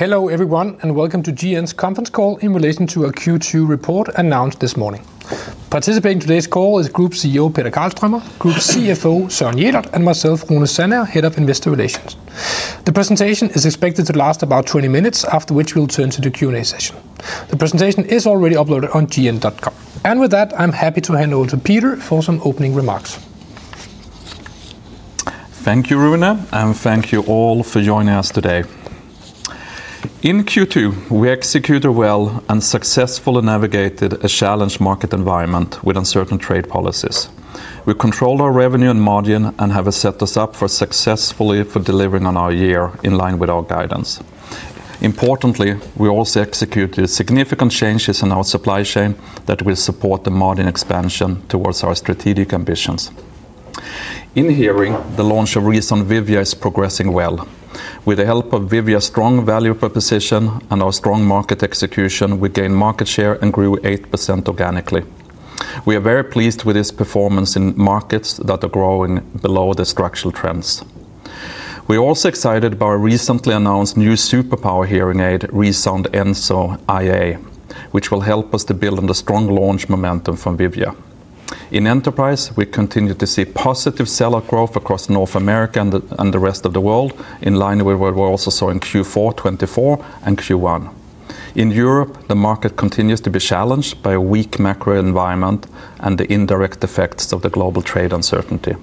Hello everyone and welcome to GN's Conference Call in relation to a Q2 report announced this morning. Participating in today's call is Group CEO Peter Karlstromer, Group CFO Søren Jelert and myself Rune Sandager, Head of Investor Relations. The presentation is expected to last about 20 minutes, after which we'll turn to the Q&A session. The presentation is already uploaded on gn.com and with that I'm happy to hand over to Peter for some opening remarks. Thank you, Rune, and thank you all for joining us today. In Q2, we executed well and successfully navigated a challenged market environment with uncertain trade policies. We controlled our revenue and margin and have set us up successfully for delivering on our year in line with our guidance. Importantly, we also executed significant changes in our supply chain that will support the margin expansion towards our strategic ambitions. In Hearing, the launch of ReSound Vivia is progressing well. With the help of Vivia's strong value proposition and our strong market execution, we gained market share and grew 8% organically. We are very pleased with this performance in markets that are growing below the structural trends. We are also excited about our recently announced new superpower hearing aid, ReSound Enso IA, which will help us to build on the strong launch momentum from Vivia. In Enterprise, we continue to see positive seller growth across North America and the rest of the world in line with what we also saw in Q4 2024 and Q1. In Europe, the market continues to be challenged by a weak macro environment and the indirect effects of the global trade uncertainty.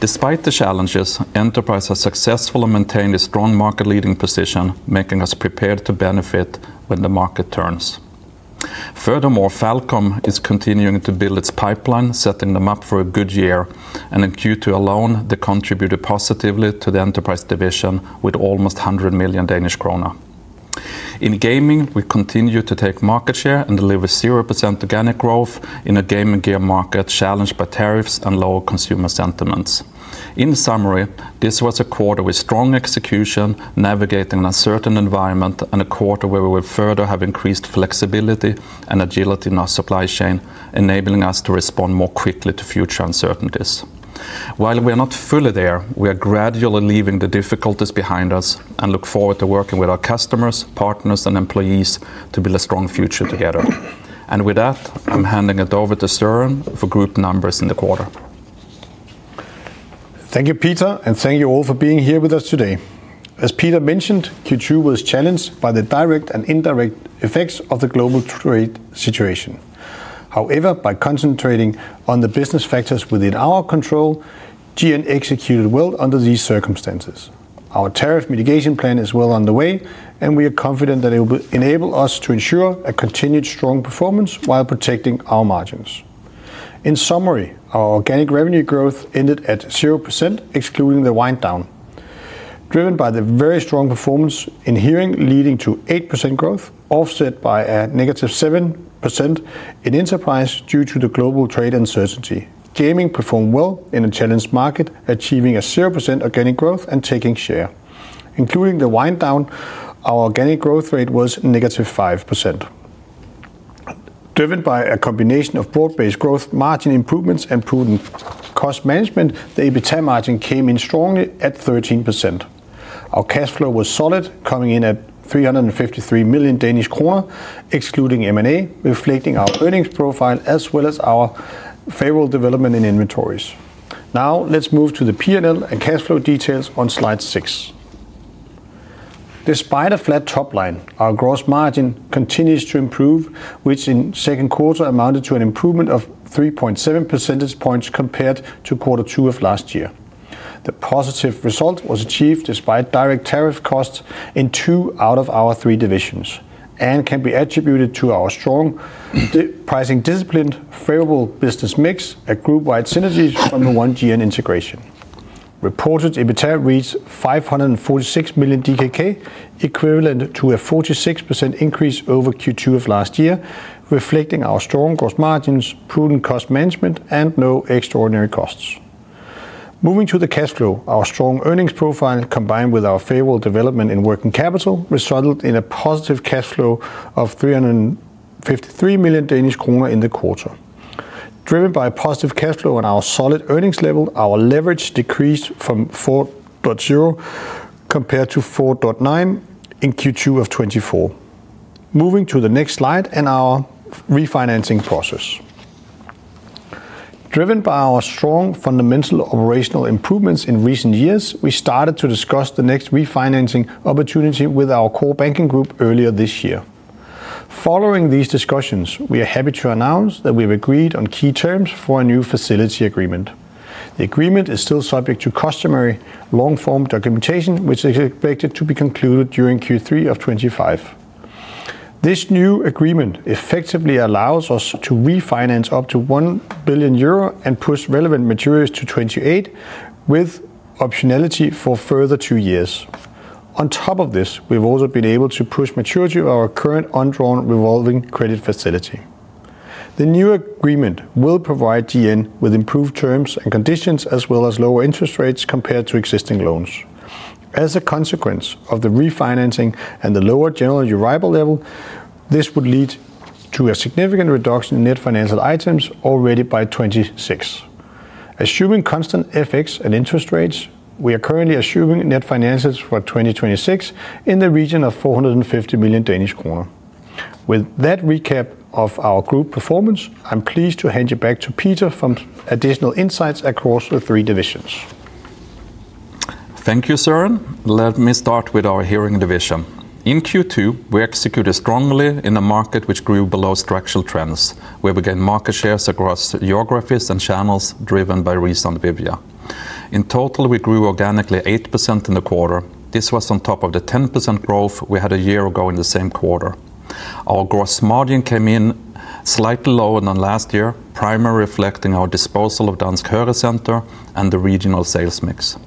Despite the challenges, Enterprise has successfully maintained a strong market-leading position, making us prepared to benefit when the market turns. Furthermore, FalCom is continuing to build its pipeline, setting them up for a good year, and in Q2 alone they contributed positively to the Enterprise division. With almost 100 million Danish krone in Gaming, we continue to take market share and deliver 0% organic growth in a gaming gear market challenged by tariffs and lower consumer sentiments. In summary, this was a quarter with strong execution, navigating an uncertain environment, and a quarter where we will further have increased flexibility and agility in our supply chain, enabling us to respond more quickly to future uncertainties. While we are not fully there, we are gradually leaving the difficulties behind us and look forward to working with our customers, partners, and employees to build a strong future together. With that, I'm handing it over to Søren for group numbers in the quarter. Thank you, Peter, and thank you all for being here with us today. As Peter mentioned, Q2 was challenged by the direct and indirect effects of the global trade situation. However, by concentrating on the business factors within our control, GN executed well under these circumstances. Our tariff mitigation plan is well underway, and we are confident that it will enable us to ensure a continued strong performance while protecting our margins. In summary, our organic revenue growth ended at 0% excluding the wind down driven by the very strong performance in Hearing, leading to 8% growth offset by a -7% in Enterprise due to the global trade uncertainty. Gaming performed well in a challenged market, achieving a 0% organic growth and taking share, including the wind down. Our organic growth rate was -5%, driven by a combination of broad-based growth, margin improvements, and prudent cost management. The EBIT margin came in strongly at 13%. Our cash flow was solid, coming in at 353 million Danish kroner excluding M&A, reflecting our earnings profile as well as our favorable development in inventories. Now let's move to the P&L and cash flow details on slide 6. Despite a flat top line, our gross margin continues to improve, which in the second quarter amounted to an improvement of 3.7 percentage points compared to Q2 of last year. The positive result was achieved despite direct tariff costs in two out of our three divisions and can be attributed to our strong pricing discipline, favorable business mix, and group-wide synergies from the One GN integration. Reported EBITDA reached 546 million DKK, equivalent to a 46% increase over Q2 of last year, reflecting our strong gross margins, prudent cost management, and no extraordinary costs. Moving to the cash flow, our strong earnings profile combined with our favorable development in working capital resulted in a positive cash flow of 353 million Danish kroner in the quarter, driven by positive cash flow on our solid earnings level. Our leverage decreased from 4.0 compared to 4.9 in Q2 of 2024. Moving to the next slide and our refinancing process, driven by our strong fundamental operational improvements in recent years, we started to discuss the next refinancing opportunity with our core banking group earlier this year. Following these discussions, we are happy to announce that we have agreed on key terms for a new facility agreement. The agreement is still subject to customary long form documentation, which is expected to be concluded during Q3 of 2025. This new agreement effectively allows us to refinance up to 1 billion euro and push relevant maturities to 2028 with optionality for a further two years. On top of this, we have also been able to push maturity of our current undrawn revolving credit facility. The new agreement will provide GN with improved terms and conditions as well as lower interest rates compared to existing loans. As a consequence of the refinancing and the lower general leverage level, this would lead to a significant reduction in net financial items already by 2026. Assuming constant FX and interest rates, we are currently assuming net finances for 2026 in the region of 450 million Danish kroner. With that recap of our group performance, I'm pleased to hand you back to Peter for additional insights across the three divisions. Thank you Søren. Let me start with our Hearing division. In Q2 we executed strongly in a market which grew below structural trends, where we gained market shares across geographies and channels driven by recent Vivia. In total, we grew organically 8% in the quarter. This was on top of the 10% growth we had a year ago. In the same quarter, our gross margin came in slightly lower than last year, primarily reflecting our disposal of Dansk Hørecenter and the regional sales mix.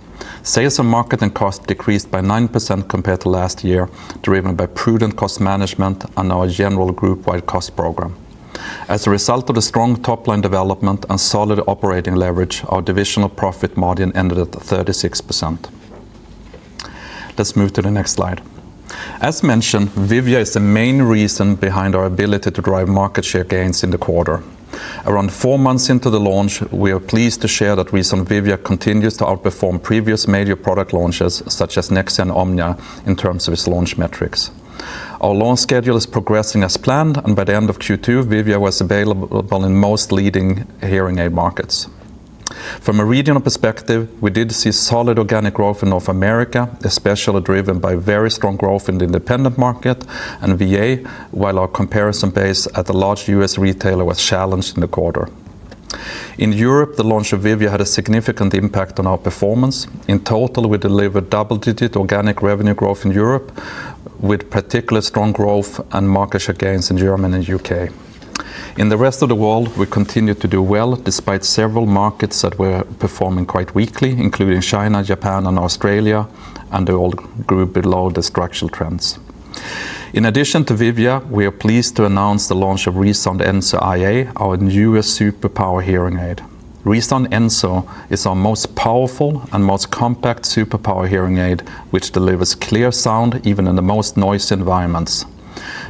Sales and marketing costs decreased by 9% compared to last year, driven by prudent cost management and our general group-wide cost program. As a result of the strong top-line development and solid operating leverage, our divisional profit margin ended at 36%. Let's move to the next slide. As mentioned, Vivia is the main reason behind our ability to drive market share gains in the quarter. Around four months into the launch, we are pleased to share that ReSound Vivia continues to outperform previous major product launches such as Nexia and Omnia in terms of its launch metrics. Our launch schedule is progressing as planned, and by the end of Q2, Vivia was available in most leading hearing aid markets. From a regional perspective, we did see solid organic growth in North America, especially driven by very strong growth in the independent market and VA. While our comparison base at the large US retailer was challenged in the quarter, in Europe, the launch of Vivia had a significant impact on our performance. In total, we delivered double-digit organic revenue growth in Europe, with particularly strong growth and market share gains in Germany and UK. In the rest of the world, we continue to do well despite several markets that were performing quite weakly, including China, Japan, and Australia, and they all grew below the structural trends. In addition to Vivia, we are pleased to announce the launch of ReSound Enso IA, our newest superpower hearing aid. ReSound Enso IA is our most powerful and most compact superpower hearing aid, which delivers clear sound even in the most noisy environments.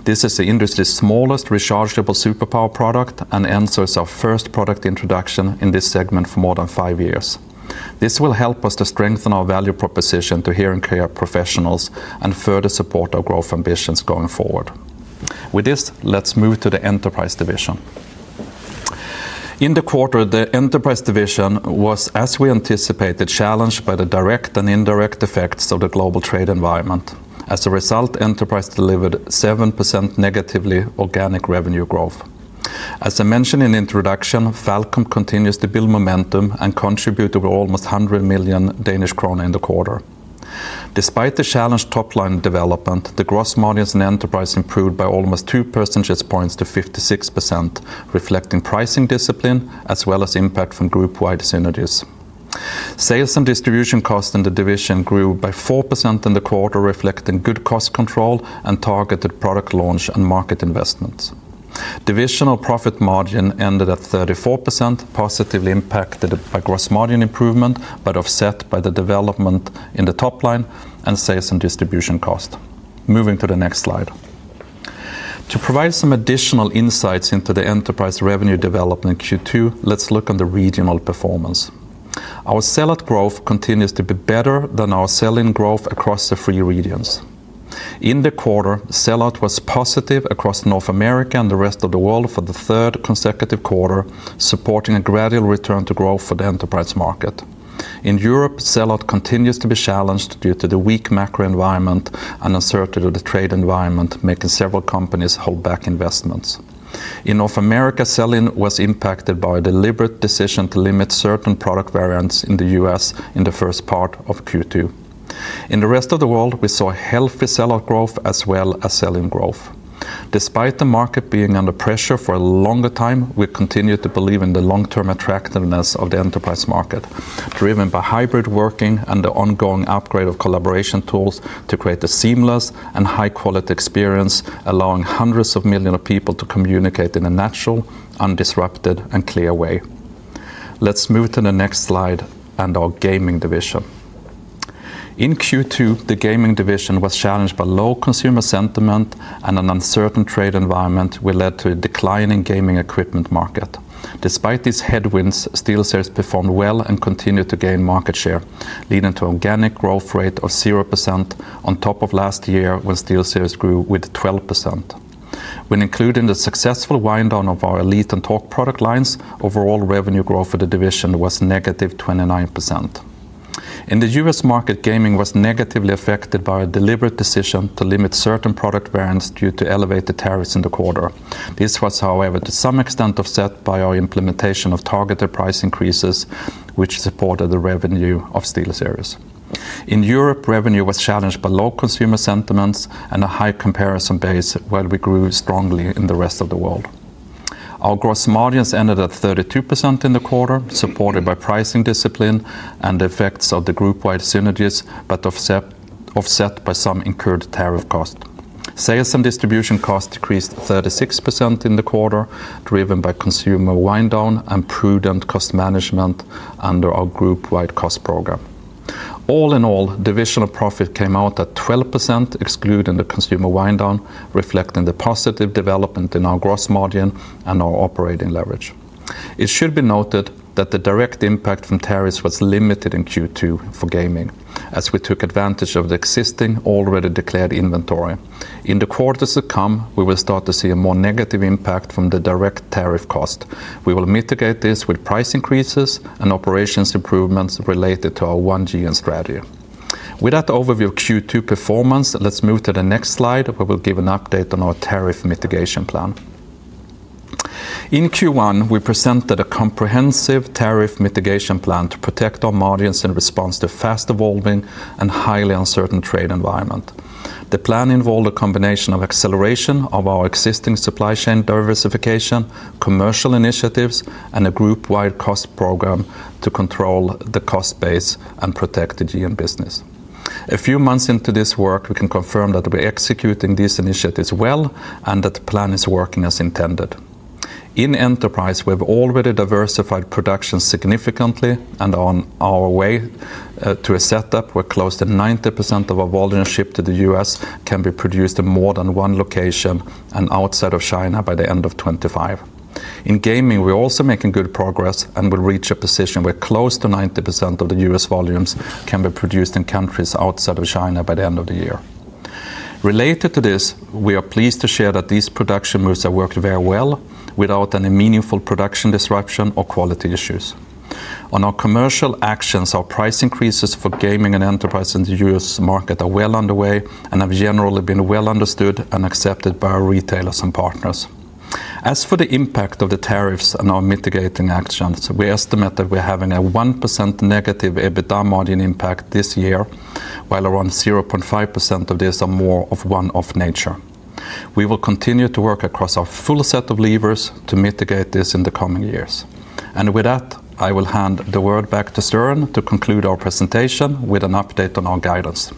This is the industry's smallest rechargeable superpower product, and Enso is our first product introduction in this segment for more than five years. This will help us to strengthen our value proposition to hearing care professionals and further support our growth ambitions going forward. With this, let's move to the Enterprise division in the quarter. The Enterprise division was, as we anticipated, challenged by the direct and indirect effects of the global trade environment. As a result, Enterprise delivered 7% negative organic revenue growth. As I mentioned in the introduction, FalCom continues to build momentum and contributed with almost 100 million Danish krone in the quarter. Despite the challenged top line development, the gross margins in Enterprise improved by almost 2 percentage points to 56%, reflecting pricing discipline as well as impact from group-wide synergies. Sales and distribution costs in the division grew by 4% in the quarter, reflecting good cost control and targeted product launch and market investments. Divisional profit margin ended at 34%, positively impacted by gross margin improvement but offset by the development in the top line and sales and distribution cost. Moving to the next slide to provide some additional insights into the Enterprise revenue development Q2, let's look at the regional performance. Our sellout growth continues to be better than our selling growth across the three regions in the quarter. Sellout was positive across North America and the rest of the world for the third consecutive quarter, supporting a gradual return to growth for the Enterprise market. In Europe, sellout continues to be challenged due to the weak macro environment and uncertainty of the trade environment, making several companies hold back investments. In North America, selling was impacted by a deliberate decision to limit certain product variants in the U.S. in the first part of Q2. In the rest of the world, we saw healthy sellout growth as well as selling growth despite the market being under pressure for a longer time. We continue to believe in the long-term attractiveness of the Enterprise market driven by hybrid working and the ongoing upgrade of collaboration tools to create a seamless and high-quality experience allowing hundreds of millions of people to communicate in a natural, undisrupted, and clear way. Let's move to the next slide and our Gaming division in Q2. The Gaming division was challenged by low consumer sentiment and an uncertain trade environment, which led to a declining gaming equipment market. Despite these headwinds, SteelSeries performed well and continued to gain market share, leading to organic growth rate of 0% on top of last year when SteelSeries grew with 12%. When including the successful wind down of our Elite and Talk product lines, overall revenue growth for the division was -29%. In the US market, gaming was negatively affected by a deliberate decision to limit certain product variants due to elevated tariffs in the quarter. This was, however, to some extent offset by our implementation of targeted price increases which supported the revenue of SteelSeries in Europe. Revenue was challenged by low consumer sentiments and a high comparison base where we grew strongly in the rest of the world. Our gross margins ended at 32% in the quarter, supported by pricing discipline and the effects of the group-wide synergies, but offset by some incurred tariff cost. Sales and distribution costs decreased 36% in the quarter driven by consumer wind down and prudent cost management under our group-wide cost program. All in all, divisional profit came out at 12% excluding the consumer wind down, reflecting the positive development in our gross margin and our operating leverage. It should be noted that the direct impact from tariffs was limited in Q2 for gaming as we took advantage of the existing already declared inventory. In the quarters to come, we will start to see a more negative impact from the direct tariff cost. We will mitigate this with price increases and operations improvements related to our One G and strategy. With that overview of Q2 performance, let's move to the next slide where we'll give an update on our tariff mitigation plan. In Q1 we presented a comprehensive tariff mitigation plan to protect our margins in response to fast-evolving and highly uncertain trade environment. The plan involved a combination of acceleration of our existing supply chain diversification, commercial initiatives, and a group-wide cost program to control the cost base and protect the GN business. A few months into this work, we can confirm that we're executing these initiatives well and that the plan is working as intended. In Enterprise, we've already diversified production significantly and are on our way to a setup where close to 90% of our volumes shipped to the U.S. can be produced in more than one location and outside of China by the end of 2025. In Gaming, we're also making good progress and will reach a position where close to 90% of the US volumes can be produced in countries outside of China by the end of the year. Related to this, we are pleased to share that these production moves have worked very well without any meaningful production disruption or quality issues on our commercial actions. Our price increases for Gaming and Enterprise in the U.S. market are well underway and have generally been well understood and accepted by our retailers and partners. As for the impact of the tariffs and our mitigating actions, we estimate that we are having a 1% negative EBITDA margin impact this year. While around 0.5% of this is more of a one-off nature, we will continue to work across our full set of levers to mitigate this in the coming years. I will hand the word back to Søren to conclude our presentation with an update on our guidance.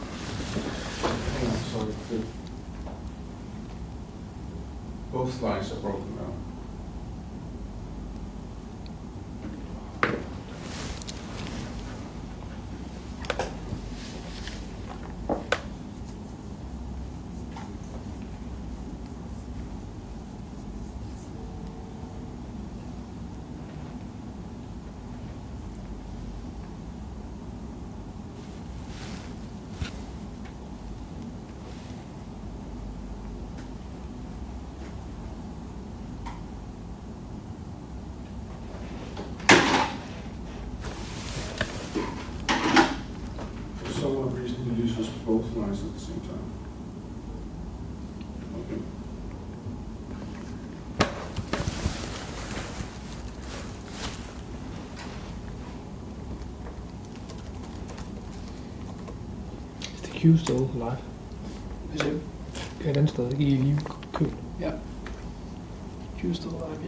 Both lines are holding up. If someone brings the users both wires at the same time.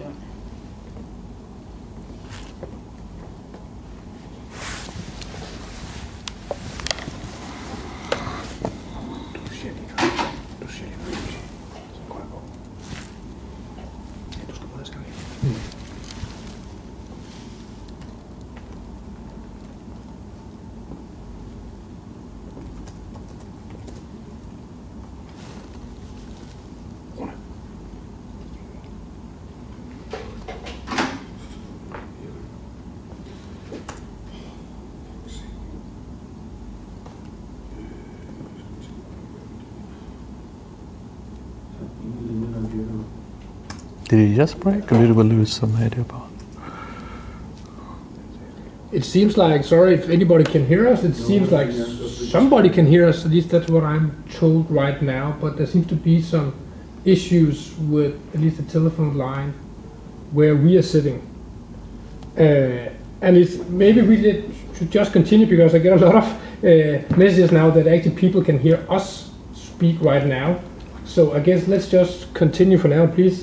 Did it just. Break a little bit? Lose some header part? It seems like, sorry, if anybody can hear us, it seems like somebody can hear us. At least that's what I'm told right now. There seems to be some issues with at least the telephone line where we are sitting and maybe we should just continue because I get a lot of messages now that actually people can hear us speak right now. I guess let's just continue for now. Please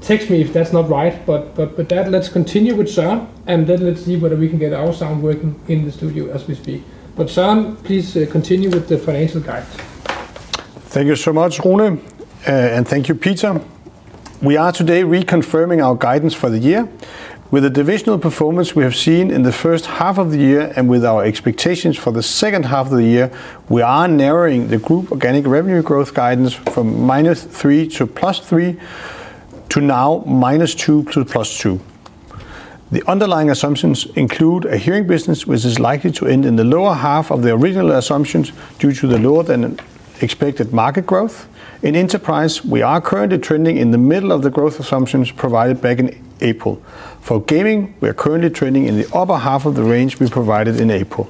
text me if that's not right. With that, let's continue with Søren and then let's see whether we can get our sound working in the studio as we speak. Søren, please continue with the Financial Guide. Thank you so much, Rune, and thank you, Peter. We are today reconfirming our guidance for the year. With the divisional performance we have seen in the first half of the year and with our expectations for the second half of the year, we are narrowing the Group organic revenue growth guidance from -3% to 3% to now -2% to +2%. The underlying assumptions include a hearing business which is likely to end in the lower half of the original assumptions due to the North America and expected market growth in Enterprise. We are currently trending in the middle of the growth assumptions provided back in April for Gaming. We are currently trending in the upper half of the range we provided in April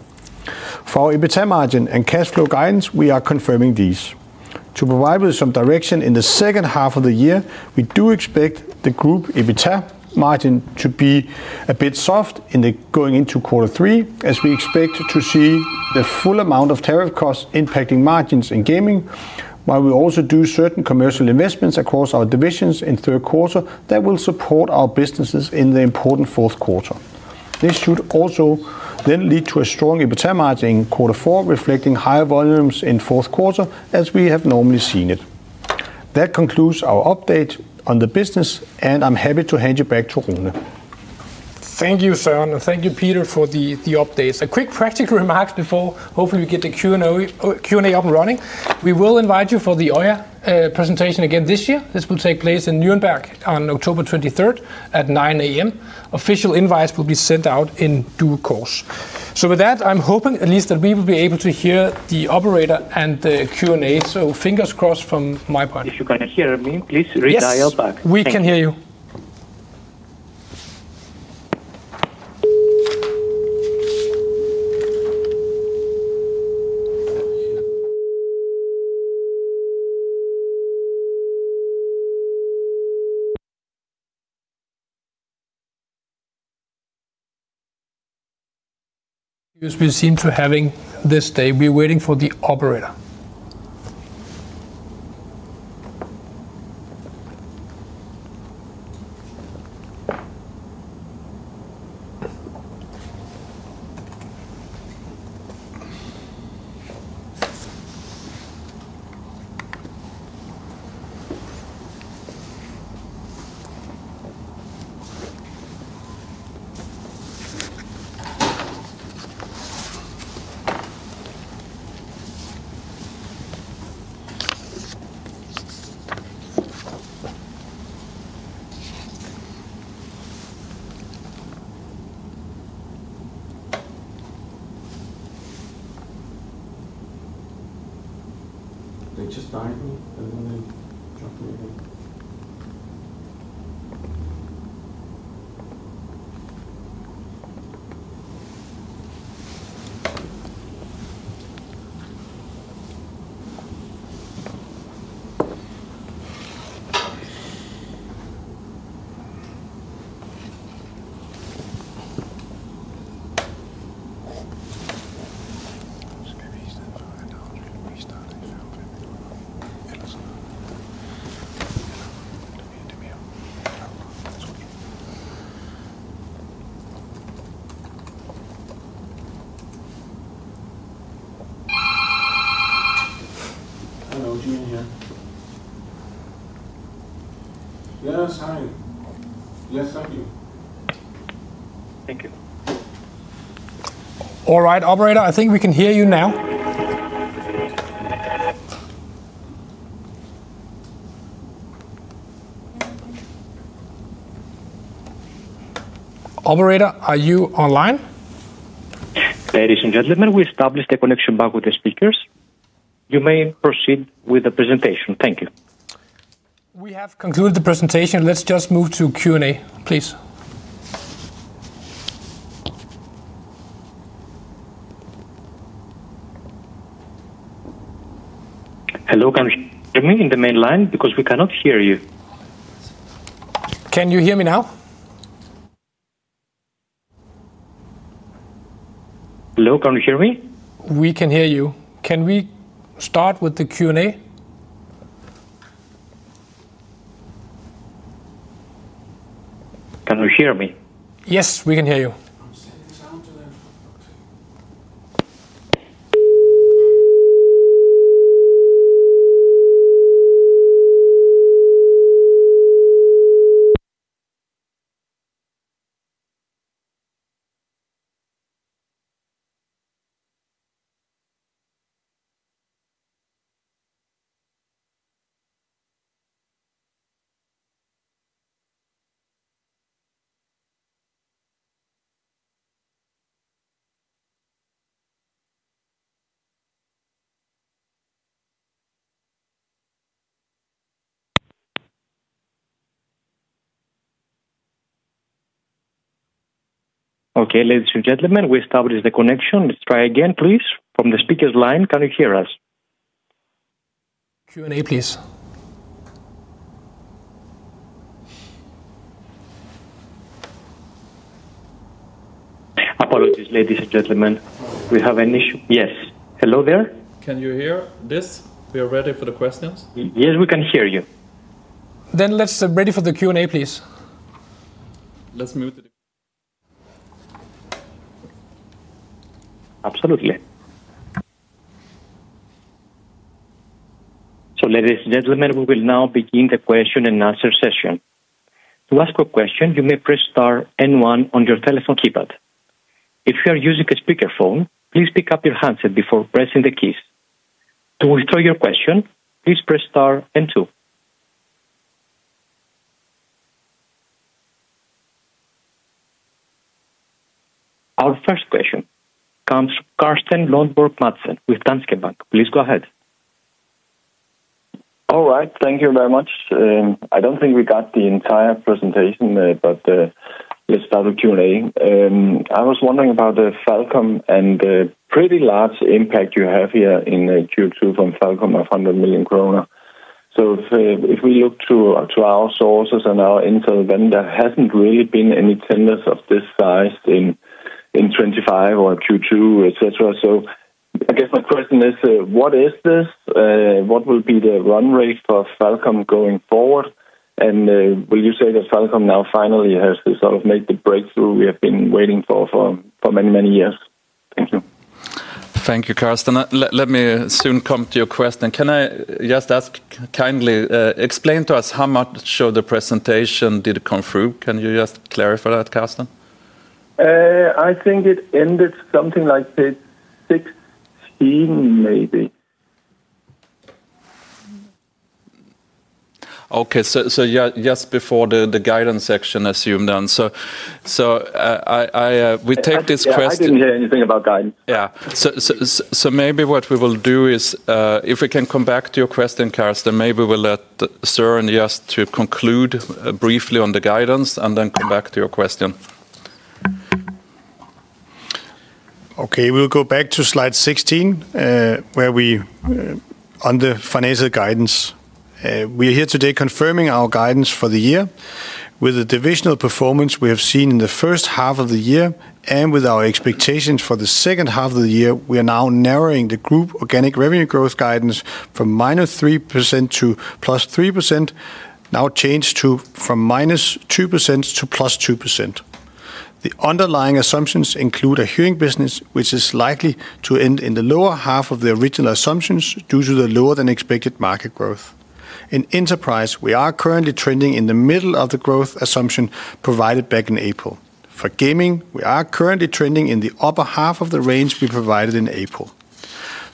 for our EBITDA margin and cash flow guidance. We are confirming these to provide some direction in the second half of the year. We do expect the Group EBITDA margin to be a bit soft going into quarter three as we expect to see the full amount of tariff costs impacting margins in Gaming, while we also do certain commercial investments across our divisions in third quarter that will support our businesses in the important fourth quarter. This should also then lead to a strong EBITDA margin in quarter four, reflecting higher volumes in fourth quarter as we have normally seen it. That concludes our update on the business and I'm happy to hand you back to Runa. Thank you, sir. Thank you, Peter, for the updates. A quick practical remark before hopefully we get the Q&A up and running. We will invite you for the OYA presentation again this year. This will take place in Nuremberg on October 23rd at 9:00 A.M. Official invites will be sent out in due course. With that, I'm hoping at least that we will be able to hear the operator and the Q&A. Fingers crossed from my partner. If you cannot hear me, please redial back. We can hear you because we seem to be having this day. We're waiting for the operator. Sam. They just. Yes, hi. Yes, thank you. Thank you. All right. Operator, I think we can hear you now. Operator, are you online? Ladies and gentlemen, we established a connection back with the speakers. You may proceed with the presentation. Thank you. We have concluded the presentation. Let's just move to Q&A, please. Hello, can you hear me in the main line? Because we cannot hear you. Can you hear me now? Hello, can you hear me? We can hear you. Can we start with the Q&A? Can you hear me? Yes, we can hear you. Okay, ladies and gentlemen, we established the connection. Let's try again, please, from the speaker's line. Can you hear us? Q&A, please. Apologies, ladies and gentlemen. Do we have an issue? Yes, hello there. Can you hear this? We are ready for the questions. Yes, we can hear you. Let's get ready for the Q and A, please. Let's mute. Absolutely. Ladies and gentlemen, we will now begin the question and answer session. To ask a question, you may press star one on your telephone keypad. If you are using a speakerphone, please pick up your handset before pressing the keys. To withdraw your question, please press star and two. Our first question comes. Carsten Lønborg Madsen with Danske Bank, please go ahead. All right, thank you very much. I don't think we got the entire presentation, but let's start with Q and A. I was wondering about the FalCom and the pretty large impact you have here in Q2 from FalCom. 500 million kroner. If we look to our sources and our intel, then there hasn't really been any tenders of this size in 2025 or Q2, etc. I guess my question is, what is this? What will be the run rate for FalCom going forward? Will you say that FalCom now finally has sort of made the breakthrough we have been waiting for many, many years? Thank you. Thank you. Carsten, let me soon come to your question. Can I just ask, kindly explain how much of the presentation did come through? Can you just clarify that, Carsten? I think it ended something like 16, maybe. Okay, just before the guidance section, assumed on. We take this question. I didn't hear anything about guidance. Yeah, maybe what we will do is if we can come back to your question, Carsten. Maybe we'll let Søren, and yes, to conclude briefly on the guidance and then come back to your question. Okay, we'll go back to slide 16 where we are on the financial guidance. We are here today confirming our guidance for the year. With the divisional performance we have seen in the first half of the year and with our expectations for the second half of the year, we are now narrowing the group organic revenue growth guidance from -3% to +3%. Now changed from -2% to +2%. The underlying assumptions include a hearing business which is likely to end in the lower half of the original assumptions due to the lower than expected market growth in Enterprise. We are currently trending in the middle of the growth assumption provided back in April for Gaming. We are currently trending in the upper half of the range we provided in April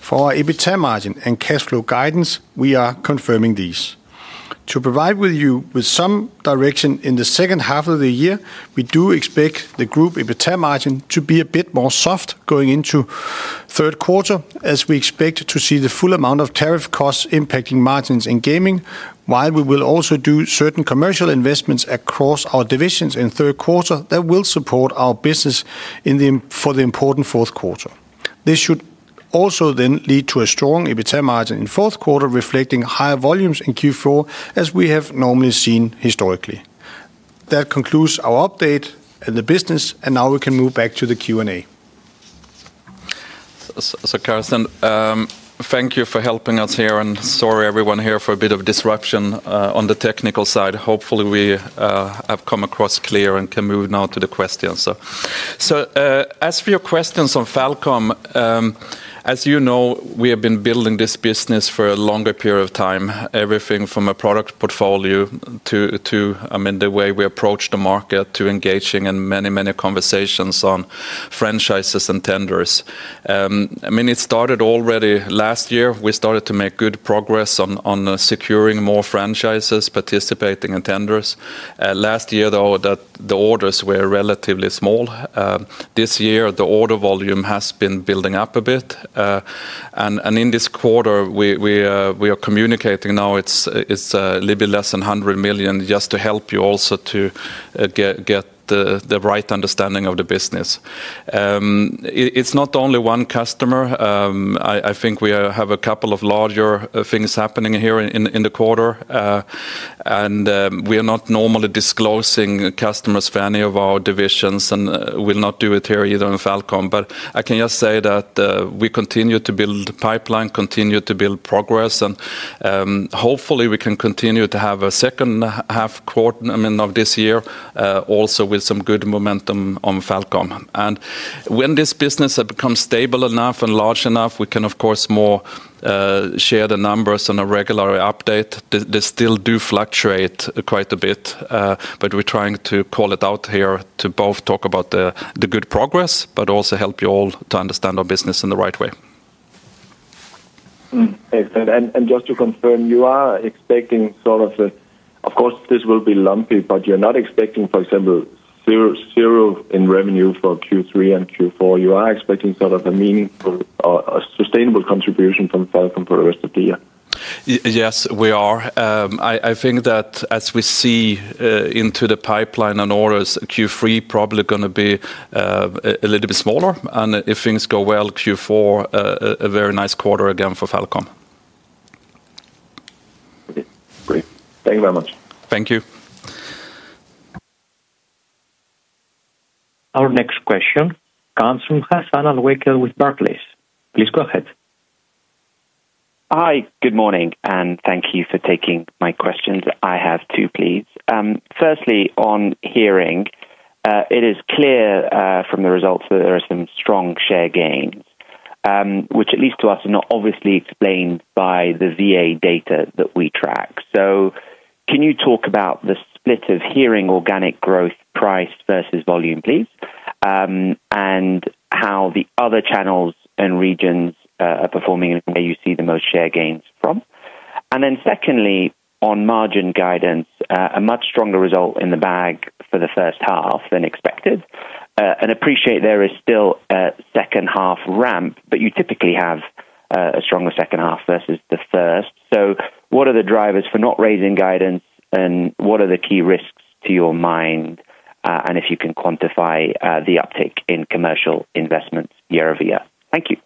for our EBITDA margin and cash flow guidance. We are confirming these to provide you with some direction in the second half of the year. We do expect the group EBITDA margin to be a bit more soft going into third quarter as we expect to see the full amount of tariff costs impacting margins in Gaming. While we will also do certain commercial investments across our divisions in third quarter that will support our business for the important fourth quarter. This should also then lead to a strong EBITDA margin in fourth quarter reflecting higher volumes in Q4 as we have normally seen historically. That concludes our update on the business and now we can move back to the Q and A. Carsten, thank you for helping us here and sorry everyone here for a bit of disruption on the technical side. Hopefully we have come across clear and can move now to the questions. As for your questions on FalCom, as you know we have been building this business for a longer period of time. Everything from a product portfolio to the way we approach the market to engaging in many, many conversations on franchises and tenders. It started already last year; we started to make good progress on securing more franchises and participating in tenders. Last year, though, the orders were relatively small. This year the order volume has been building up a bit, and in this quarter we are communicating now it's a little bit less than 100 million just to help you also to get the right understanding of the business. It's not only one customer. I think we have a couple of larger things happening here in the quarter, and we are not normally disclosing customers for any of our divisions and will not do it here either in FalCom. I can just say that we continue to build the pipeline, continue to build progress, and hopefully we can continue to have a second half quarter of this year also with some good momentum on FalCom. When this business has become stable enough and large enough, we can of course more share the numbers on a regular update. They still do fluctuate quite a bit, but we're trying to call it out here to both talk about the good progress, but also help you all to understand our business in the right way. Excellent. Just to confirm, you are expecting, of course this will be lumpy, but you're not expecting, for example, $0 in revenue for Q3 and Q4. You are expecting a meaningful sustainable contribution from FalCom for the rest of the year. Yes, we are. I think that as we see into the pipeline and orders, Q3 probably going to be a little bit smaller, and if things go well, Q4, a very nice quarter again for FalCom. Great. Thank you very much. Thank you. Our next question comes from Hassan Al-Wakeel with Barclays. Please go ahead. Hi, good morning and thank you for taking my questions. I have two, please. Firstly, on hearing it is clear from the results that there are some strong share gains which at least to us are not obviously explained by the VA data that we track. Can you talk about the split of hearing organic growth price versus volume, please, and how the other channels and regions are performing and where you see the most share gains from? Secondly, on margin guidance, a much stronger result in the bag for the first half than expected. I appreciate there is still a second half ramp, but you typically have a stronger second half versus the first. What are the drivers for not raising guidance and what are the key risks to your mind? If you can quantify the uptick in commercial investments year-over-year. Thank you.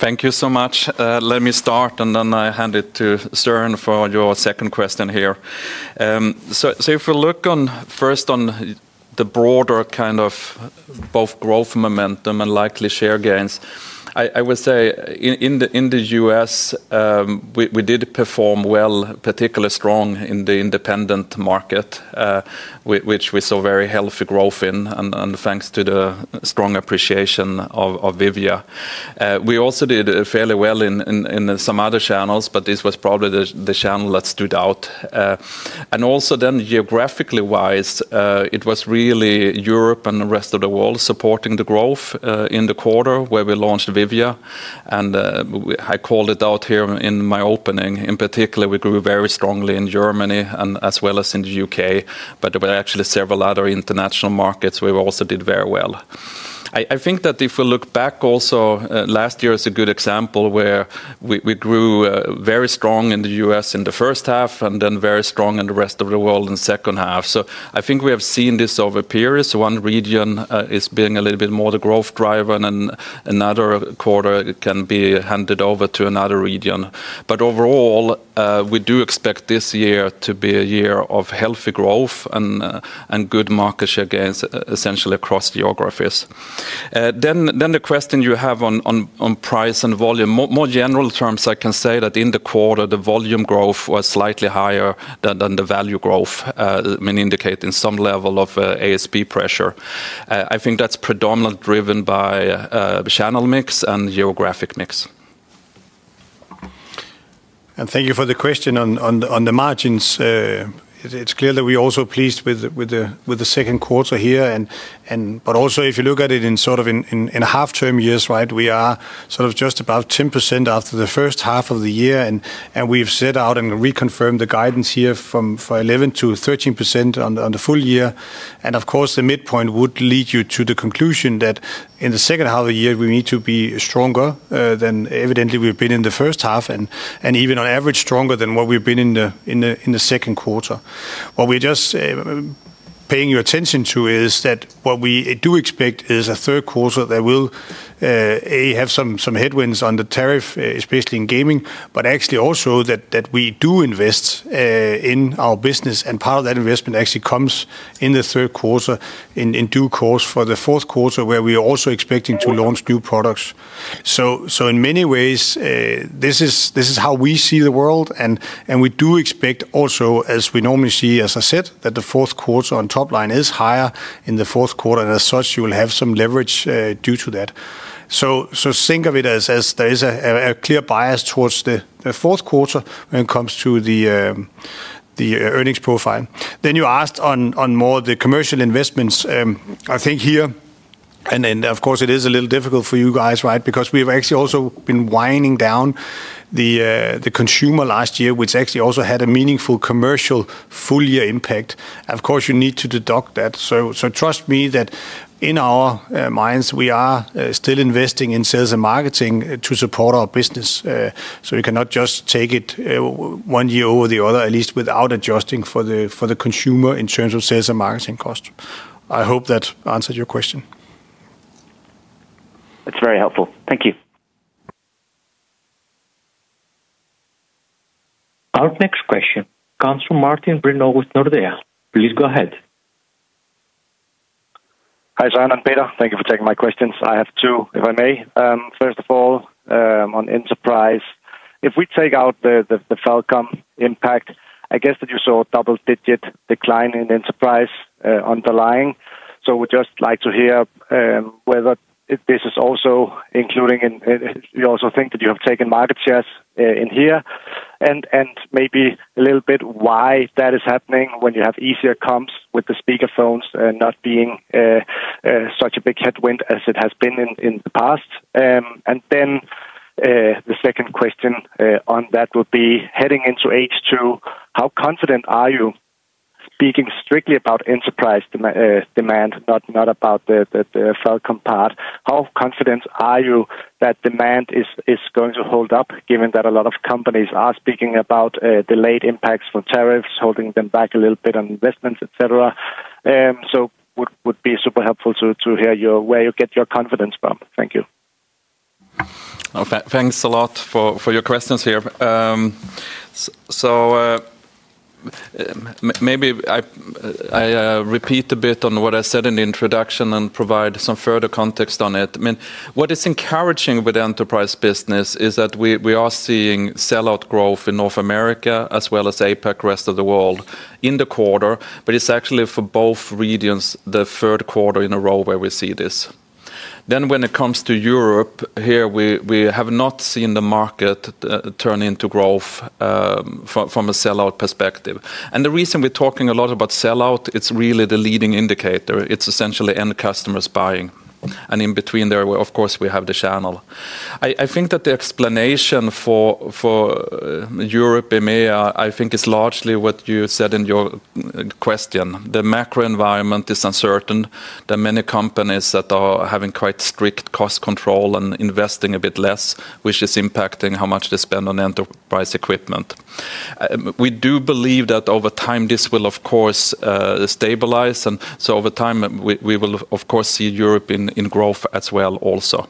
Thank you so much. Let me start and then I hand it to Søren for your second question here. If we look first on the broader kind of both growth momentum and likely share gains, I would say in the U.S. we did perform well, particularly strong in the independent market, which we saw very healthy growth in. Thanks to the strong appreciation of Vivia, we also did fairly well in some other channels, but this was probably the channel that stood out. Also, geographically, it was really Europe and the rest of the world supporting the growth in the quarter where we launched Vivia, and I called it out here in my opening. In particular, we grew very strongly in Germany as well as in the UK, but there were actually several other international markets we also did very well. I think that if we look back also last year, it is a good example where we grew very strong in the U.S. in the first half and then very strong in the rest of the world in the second half. I think we have seen this over a period. One region is being a little bit more the growth driver and another quarter can be handed over to another region. Overall, we do expect this year to be a year of healthy growth and good market share gains essentially across geographies. The question you have on price and volume, in more general terms, I can say that in the quarter the volume growth was slightly higher than the value growth, indicating some level of ASP pressure. I think that's predominantly driven by channel mix and geographic mix. Thank you for the question on the margins. It's clear that we are also pleased with the second quarter here, but also if you look at it in sort of in half term years, right, we are sort of just above 10% after the first half of the year and we've set out and reconfirmed the guidance here from 11%-13% on the full year. Of course, the midpoint would lead you to the conclusion that in the second half of the year we need to be stronger than evidently we've been in the first half and even on average stronger than what we've been in the second quarter. What we're just paying your attention to is that what we do expect is a third quarter that will have some headwinds on the tariff, especially in Gaming, but actually also that we do invest in our business and part of that investment actually comes in the third quarter, in due course for the fourth quarter where we are also expecting to launch new products. In many ways this is how we see the world and we do expect also, as we normally see, as I said, that the fourth quarter on top line is higher in the fourth quarter and as such you will have some leverage due to that. Think of it as there is a clear bias towards the fourth quarter when it comes to the earnings profile. You asked on more the commercial investments. I think here and of course it is a little difficult for you guys, right, because we've actually also been winding down the Consumer last year, which actually also had a meaningful commercial full year impact. Of course you need to deduct that. Trust me that in our minds we are still investing in sales and marketing to support our business. You cannot just take it one year or the other at least without adjusting for the Consumer in terms of sales and marketing costs. I hope that answered your question. That's very helpful, thank you. Our next question comes from Martin Brenoe with Nordea. Please go ahead. Hi Søren and Peter. Thank you for taking my questions. I have two if I may. First of all on Enterprise, if we take out the FalCom impact, I guess that you saw a double digit decline in Enterprise underlying. We'd just like to hear whether this is also including and you also think that you have taken market shares in here and maybe a little bit why that is happening when you have easier comps with the speakerphones not being such a big headwind as it has been in the past. The second question on that would be heading into H2, how confident are you speaking strictly about Enterprise demand, not about the FalCom part, how confident are you that demand is going to hold up given that a lot of companies are speaking about delayed impacts for tariffs, holding them back a little bit on investments, etc. Would be super helpful to hear where you get your confidence from. Thank you. Thanks a lot for your questions here. Maybe I repeat a bit on what I said in the introduction and provide some further context on it. What is encouraging with enterprise business is that we are seeing sellout growth in North America as well as APAC rest of the world in the quarter, but it's actually for both regions the third quarter in a row where we see this. When it comes to Europe, here we have not seen the market turn into growth from a sellout perspective. The reason we're talking a lot about sellout, it's really the leading indicator. It's essentially end customers buying and in between there of course we have the channel. I think that the explanation for Europe, EMEA I think is largely what you said in your question. The macro environment is uncertain. There are many companies that are having quite strict cost control and investing a bit less, which is impacting how much they spend on NP enterprise equipment. We do believe that over time this will of course stabilize and over time we will of course see Europe in growth as well. Also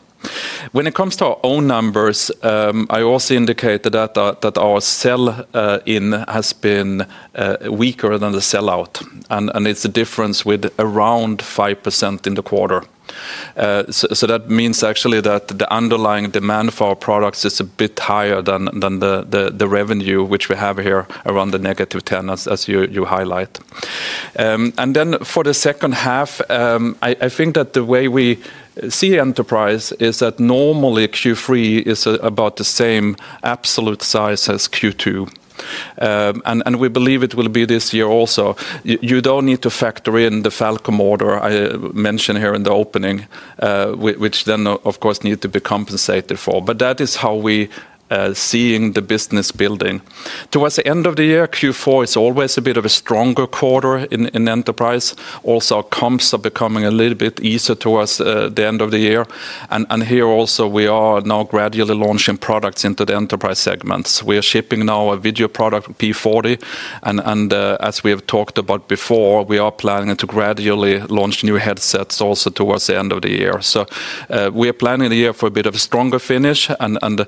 when it comes to our own numbers, I also indicated that our sell in has been weaker than the sellout and it's a difference with around 5% in the quarter. That means actually that the underlying demand for our products is a bit higher than the revenue which we have here, around the negative 10% as you highlight. For the second half I think that the way we see enterprise is that normally Q3 is about the same absolute size as Q2 and we believe it will be this year. Also you don't need to factor in the FalCom order I mentioned here in the opening, which then of course need to be compensated for but that is how we seeing the business building towards the end of the year. Q4 is always a bit of a stronger quarter in enterprise, also comps are becoming a little bit easier towards the end of the year and here also we are now gradually launching products into the enterprise segments. We are shipping now a video product P40 and as we have talked about before we are planning to gradually launch new headsets also towards the end of the year. We are planning the year for a bit of a stronger finish and a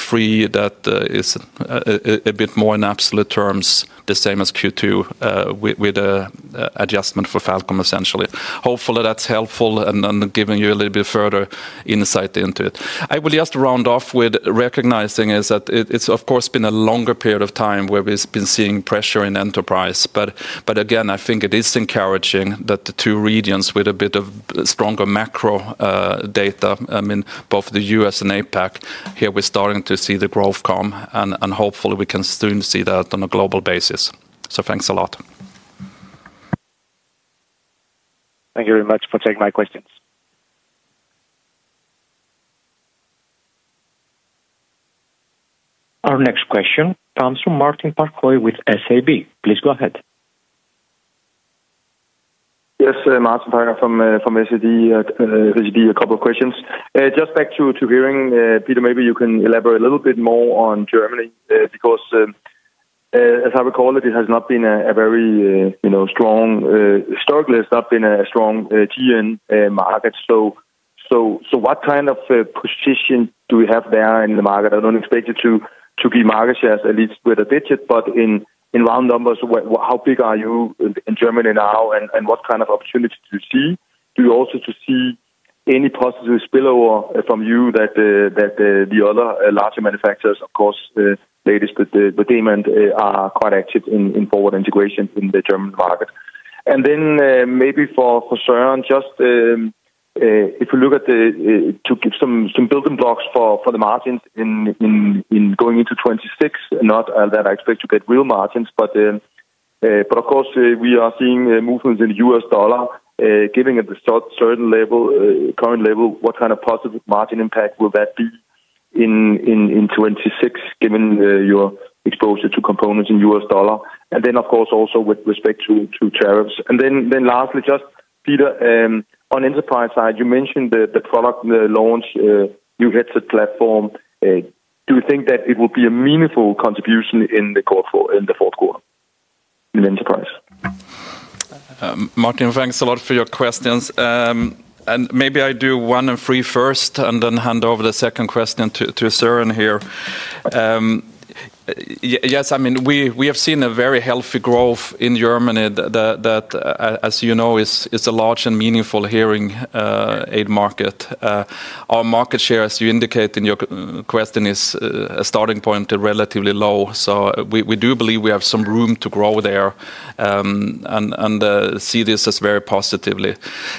Q3 that is a bit more in absolute terms the same as Q2 with adjustment for FalCom essentially. Hopefully that's helpful and giving you a little bit further insight into it. I will just round off with recognizing that it's of course been a longer period of time where we've been seeing pressure in Enterprise, but again I think it is encouraging that the two regions with a bit of stronger macro data, both the U.S. and APAC, here we're starting to see the growth come and hopefully we can soon see that on a global basis. Thanks a lot. Thank you very much for taking my questions. Our next question comes from Martin Parkhoi with SEB. Please go ahead. Yes, Martin Parkhoi from SEB. A couple of questions just back to Hearing. Peter, maybe you can elaborate a little bit more on Germany because as I recall it, it has not been a very, you know, strong—historically it's not been a strong GN market. What kind of position do we have there in the market? I don't expect you to give market shares, at least with a digit, but in round numbers, how big are you in Germany now and what kind of opportunity do you see? Do you also see any positive spillover from the fact that the other larger manufacturers, of course, the latest, are quite active in forward integration in the German market? And then maybe for Søren, just if we look at the—could you give some building blocks for the margin going into 2026? Not that I expect to get real margins, but of course we are seeing movements in the US dollar. Given the current level, what kind of positive margin impact will that be in 2026, given your exposure to components in US dollar, and then of course also with respect to tariffs? And then lastly, just Peter, on the Enterprise side, you mentioned the product launch, new headset platform. Do you think that it will be a meaningful contribution in the fourth quarter in Enterprise? Martin, thanks a lot for your questions and maybe I do one and three first and then hand over the second question to Søren here. Yes, I mean, we have seen a very healthy growth in Germany that, as you know, is a large and meaningful hearing aid market. Our market share, as you indicate in your question, is a starting point relatively low. We do believe we have some room to grow there and see this as very positively.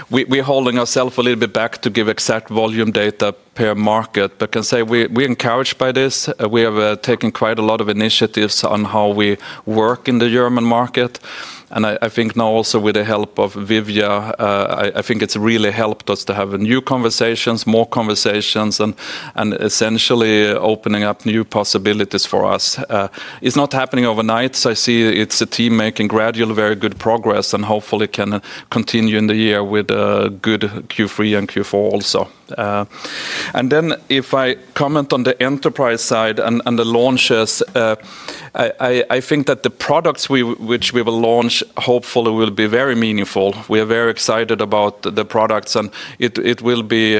We're holding ourselves a little bit back to give exactly volume data per market, but can say we're encouraged by this. We have taken quite a lot of initiatives on how we work in the German market and I think now also with the help of Vivia, I think it's really helped us to have new conversations, more conversations and essentially opening up new possibilities for us. It's not happening overnight, I see. It's a team making gradual, very good progress and hopefully can continue in the year with good Q3 and Q4 also. If I comment on the Enterprise side and the launches, I think that the products which we will launch hopefully will be very meaningful. We are very excited about the products and it will be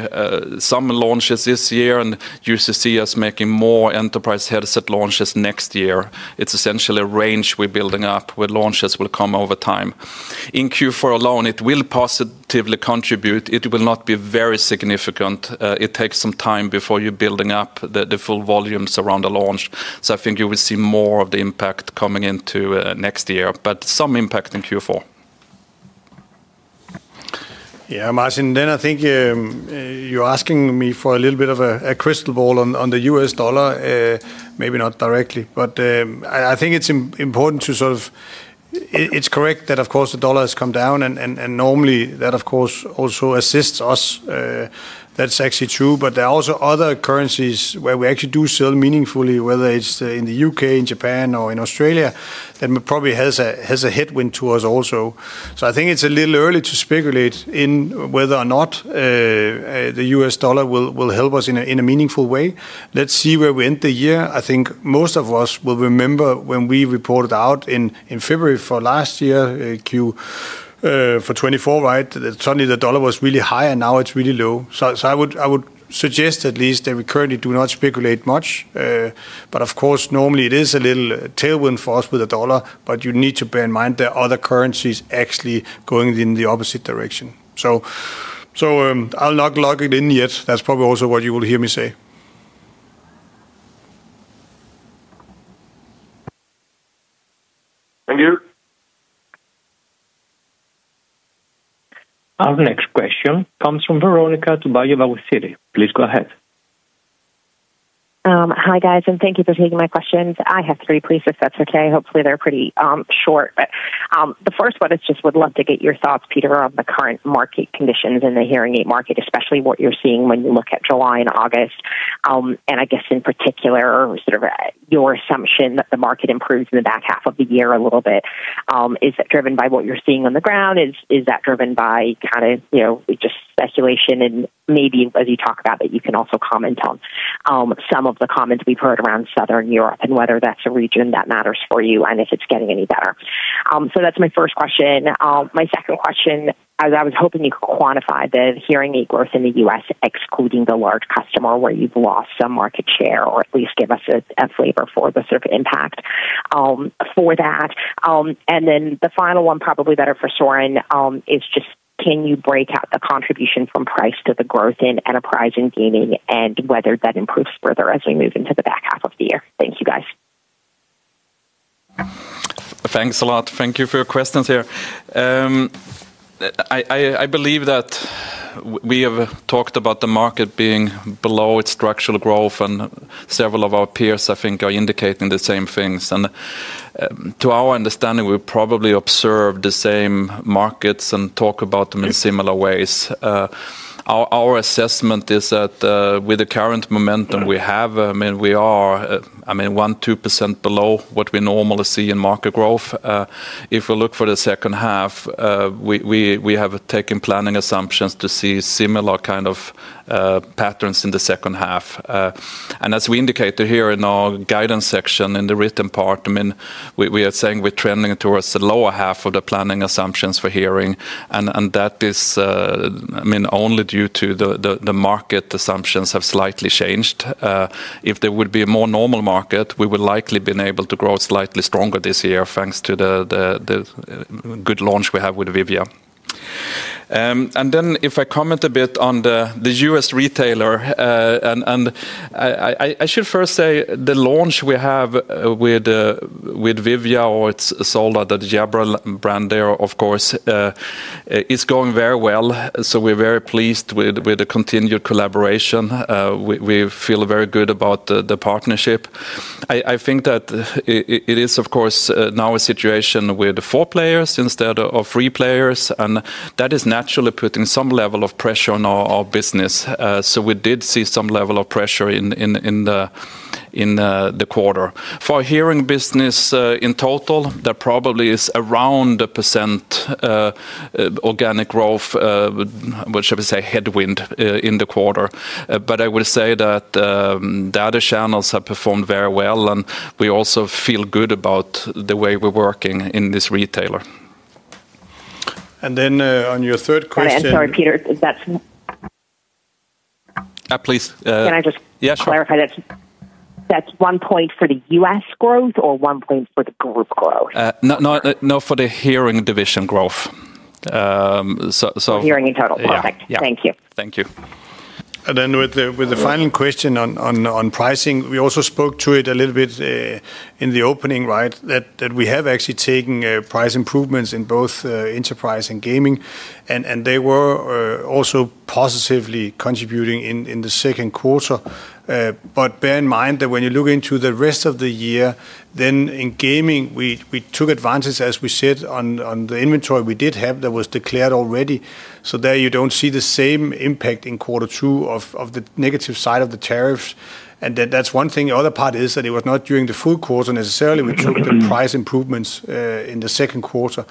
some launches this year and you should see us making more Enterprise headset launches next year. It's essentially a range we're building up where launches will come over time. In Q4 alone, it will possibly positively contribute. It will not be very significant. It takes some time before you're building up the full volumes around the launch. I think you will see more of the impact coming into next year, but some impact in Q4. Yeah. Marcin, I think you're asking me for a little bit of a crystal ball on the US dollar. Maybe not directly, but I think it's important to sort of—it's correct that of course the dollar has come down and normally that of course also assists us. That's actually true. There are also other currencies where we actually do sell meaningfully, whether it's in the UK, in Japan, or in Australia. That probably has a headwind to us also. I think it's a little early to speculate in whether or not the US dollar will help us in a meaningful way. Let's see where we end the year. I think most of us will remember when we reported out in February for 2024, right. Suddenly the dollar was really high and now it's really low. I would suggest at least that we currently do not speculate much. Of course, normally it is a little tailwind for us with the dollar. You need to bear in mind there are other currencies actually going in the opposite direction, so I'll not log it in yet. That's probably also what you will hear me say. Thank you. Our next question comes from Veronika Dubajova with Citi. Please go ahead. Hi guys and thank you for taking my questions. I have three please, if that's okay. Hopefully they're pretty short, but the first one is just would love to get your thoughts, Peter, of the current market conditions in the hearing aid market, especially what you're seeing when you look at July and August and I guess in particular sort of your assumption that the market improved in the back half of the year a little bit. Is it driven by what you're seeing on the ground? Is that driven by kind of, you know, just speculation? Maybe as you talk about that, you can also comment on some of the comments we've heard around Southern Europe and whether that's a region that matters for you and if it's getting any better. That's my first question. My second question, I was hoping you could quantify the hearing aid growth in the U.S. excluding the large customer where you've lost some market share or at least give us a flavor for the sort of impact for that. The final one, probably better for Søren, is just can you break out the contribution from price to the growth in Enterprise and Gaming and whether that improves further as we move into the back half of the year. Thank you guys. Thanks a lot. Thank you for your questions here. I believe that we have talked about the market being below its structural growth and several of our peers, I think, are indicating the same things. To our understanding, we probably observed the same markets and talk about them in similar ways. Our assessment is that with the current momentum we have, I mean we are 1%, 2% below what we normally see in market growth. If we look for the second half, we have taken planning assumptions to see similar kind of patterns in the second half. As we indicated here in our guidance section, in the written part, we are saying we're trending towards the lower half of the planning assumptions for hearing and that is only due to the market assumptions have slightly changed. If there would be a more normal market, we will likely have been able to grow slightly stronger this year thanks to the good launch we have with Vivia. If I comment a bit on the US retailer, I should first say the launch we have with Vivia, or it's sold at the Jabra brand there, of course, is going very well. We're very pleased with the continued collaboration. We feel very good about the partnership. I think that it is, of course, now a situation with four players instead of three players and that is naturally putting some level of pressure on our business. We did see some level of pressure in the quarter for hearing business. In total, there probably is around a percent organic growth headwind in the quarter. I would say that data channels have performed very well and we also feel good about the way we're working in this retailer. On your third question, sorry. Peter, please can I just clarify that that's 1 point for the US growth or 1 point for the group growth? Not for the Hearing division growth. Hearing in total. Thank you. Thank you. With the final question on pricing, we also spoke to it a little bit in the opening, right. We have actually taken price improvements in both Enterprise and Gaming, and they were also positively contributing in the second quarter. Bear in mind that when you look into the rest of the year, in Gaming we took advantage, as we said, on the inventory we did have that was declared already. There you don't see the same impact in quarter two of the negative side of the tariff. That's one thing. The other part is that it was not during the full quarter necessarily. We took the price improvements in the second quarter.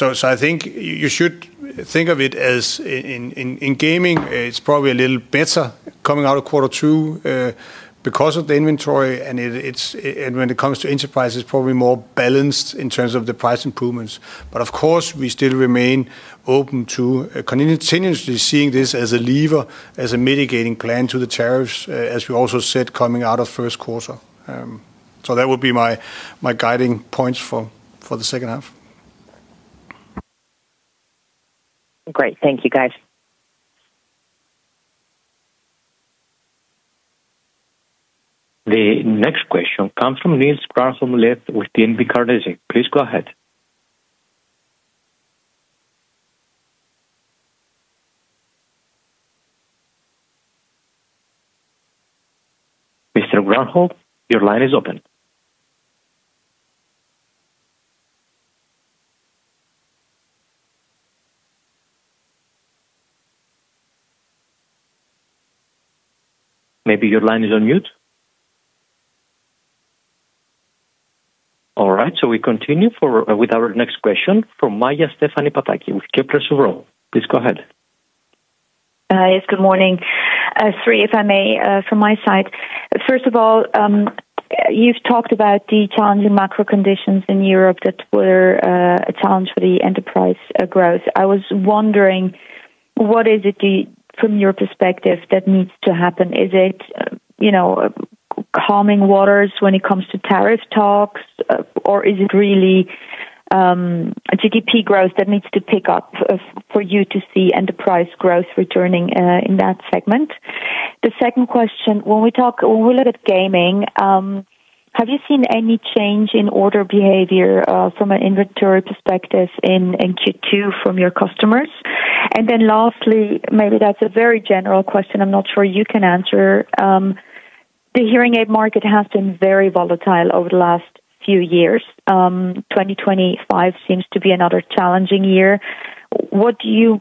I think you should think of it as in Gaming it's probably a little better coming out of quarter two because of the inventory, and when it comes to Enterprise, probably more balanced in terms of the price improvements. Of course, we still remain open to continuously seeing this as a lever, as a mitigating plan to the tariffs as we also set coming out of First Quarter. That would be my guiding points for the second half. Great. Thank you, guys. The next question comes from Niels Granholm-Leth with Carnegie. Please go ahead. Maybe your line is on mute. All right, we continue with our next question from Maja Stephanie Pataki with Kepler Cheuvreux. Please go ahead. Yes, good morning. If I may, from my side, first of all, you've talked about the challenging macro conditions in Europe that were a challenge for the Enterprise growth. I was wondering what is it from your perspective that needs to happen? Is it, you know, calming waters when it comes to tariff talks or is it really GDP growth that needs to pick up for you to see Enterprise growth returning in that segment? The second question, when we look at Gaming, have you seen any change in order behavior from an inventory perspective in Q2 from your customers? Lastly, maybe that's a very general question. I'm not sure you can answer. The hearing aid market has been very volatile over the last few years. 2025 seems to be another challenging year. What do you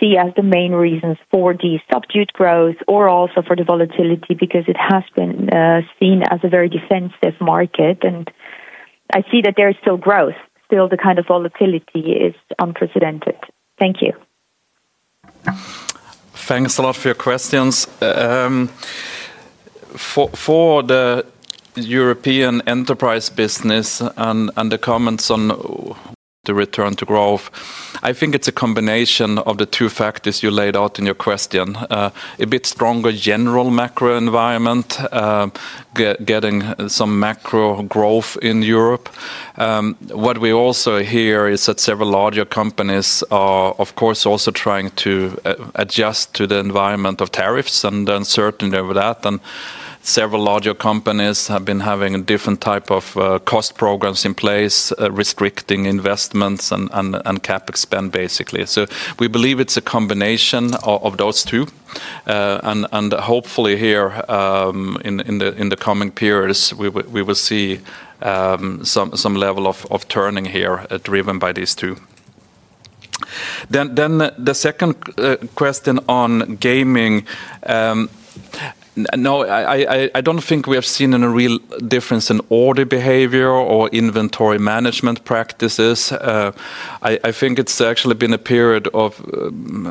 see as the main reasons for the subdued growth or also for the volatility? Because it has been seen as a very defensive market and I see that there is still growth. Still, the kind of volatility is unprecedented. Thank you. Thanks a lot for your questions. For the European enterprise business and the comments on to return to growth, I think it's a combination of the two factors you laid out in your question. A bit stronger general macro environment, getting some macro growth in Europe. What we also hear is that several larger companies are of course also trying to adjust to the environment of tariffs and uncertainty over that. Several larger companies have been having different types of cost programs in place, restricting investments and CapEx spend basically. We believe it's a combination of those two, and hopefully here in the coming periods we will see some level of turning here driven by these two. The second question on gaming. No, I don't think we have seen a real difference in order behavior or inventory management practices. I think it's actually been a period of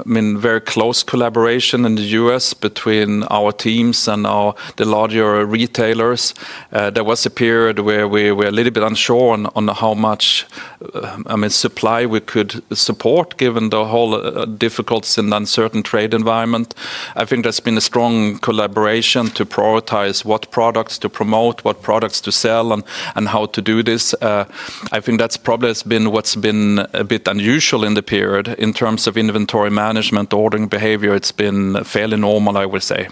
very close collaboration in the U.S. between our teams and the larger retailers. There was a period where we were a little bit unsure on how much supply we could support given the whole difficulty and uncertain trade environment. I think there's been a strong collaboration to prioritize what products to promote, what products to sell, and how to do this. I think that's probably been what's been a bit unusual in the period. In terms of inventory management, ordering behavior has been fairly normal, I would say.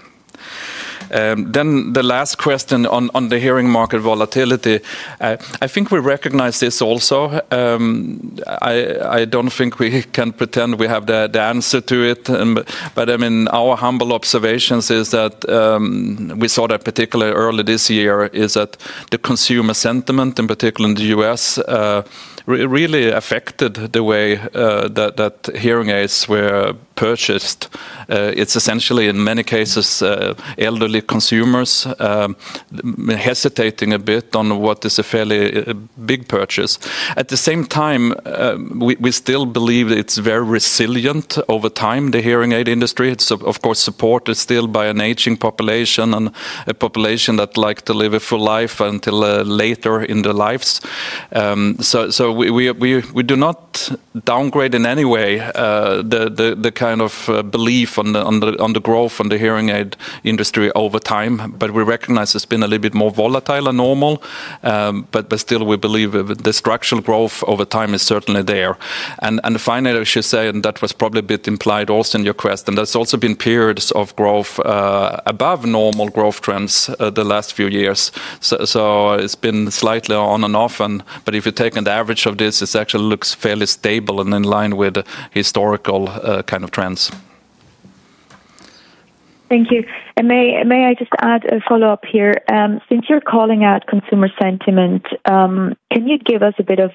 The last question on the hearing market volatility, I think we recognize this also. I don't think we can pretend we have the answer to it, but our humble observation is that we saw that particularly early this year, the consumer sentiment in particular in the U.S. really affected the way that hearing aids were purchased. It's essentially in many cases elderly consumers hesitating a bit on what is a fairly big purchase. At the same time, we still believe it's very resilient over time. The hearing aid industry is of course supported still by an aging population and a population that likes to live a full life until later in their lives. We do not downgrade in any way the kind of belief on the growth in the hearing aid industry over time, but we recognize it's been a little bit more volatile than normal. Still, we believe the structural growth over time is certainly there. Finally, I should say, and that was probably a bit implied also in your question, there's also been periods of growth above normal growth trends the last few years. It's been slightly on and off, but if you take an average of this, this actually looks fairly stable and in line with historical kind of trends. Thank you. May I just add a follow-up here? Since you're calling out consumer sentiment, can you give us a bit of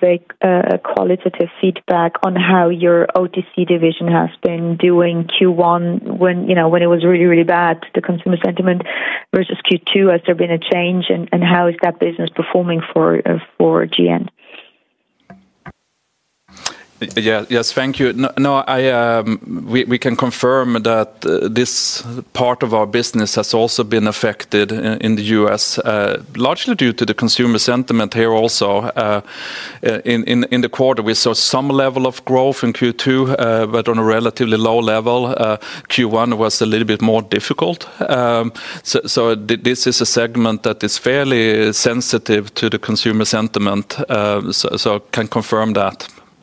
qualitative feedback on how your OTC division has been doing in Q1, when it was really, really bad, the consumer sentiment versus Q2? Has there been a change, and how is that business performing for GN? Yes, thank you. We can confirm that this part of our business has also been affected in the U.S. largely due to the consumer sentiment here. Also, in the quarter we saw some level of growth in Q2, but on a relatively low level. Q1 was a little bit more difficult. This is a segment that is fairly sensitive to the consumer sentiment. We can confirm.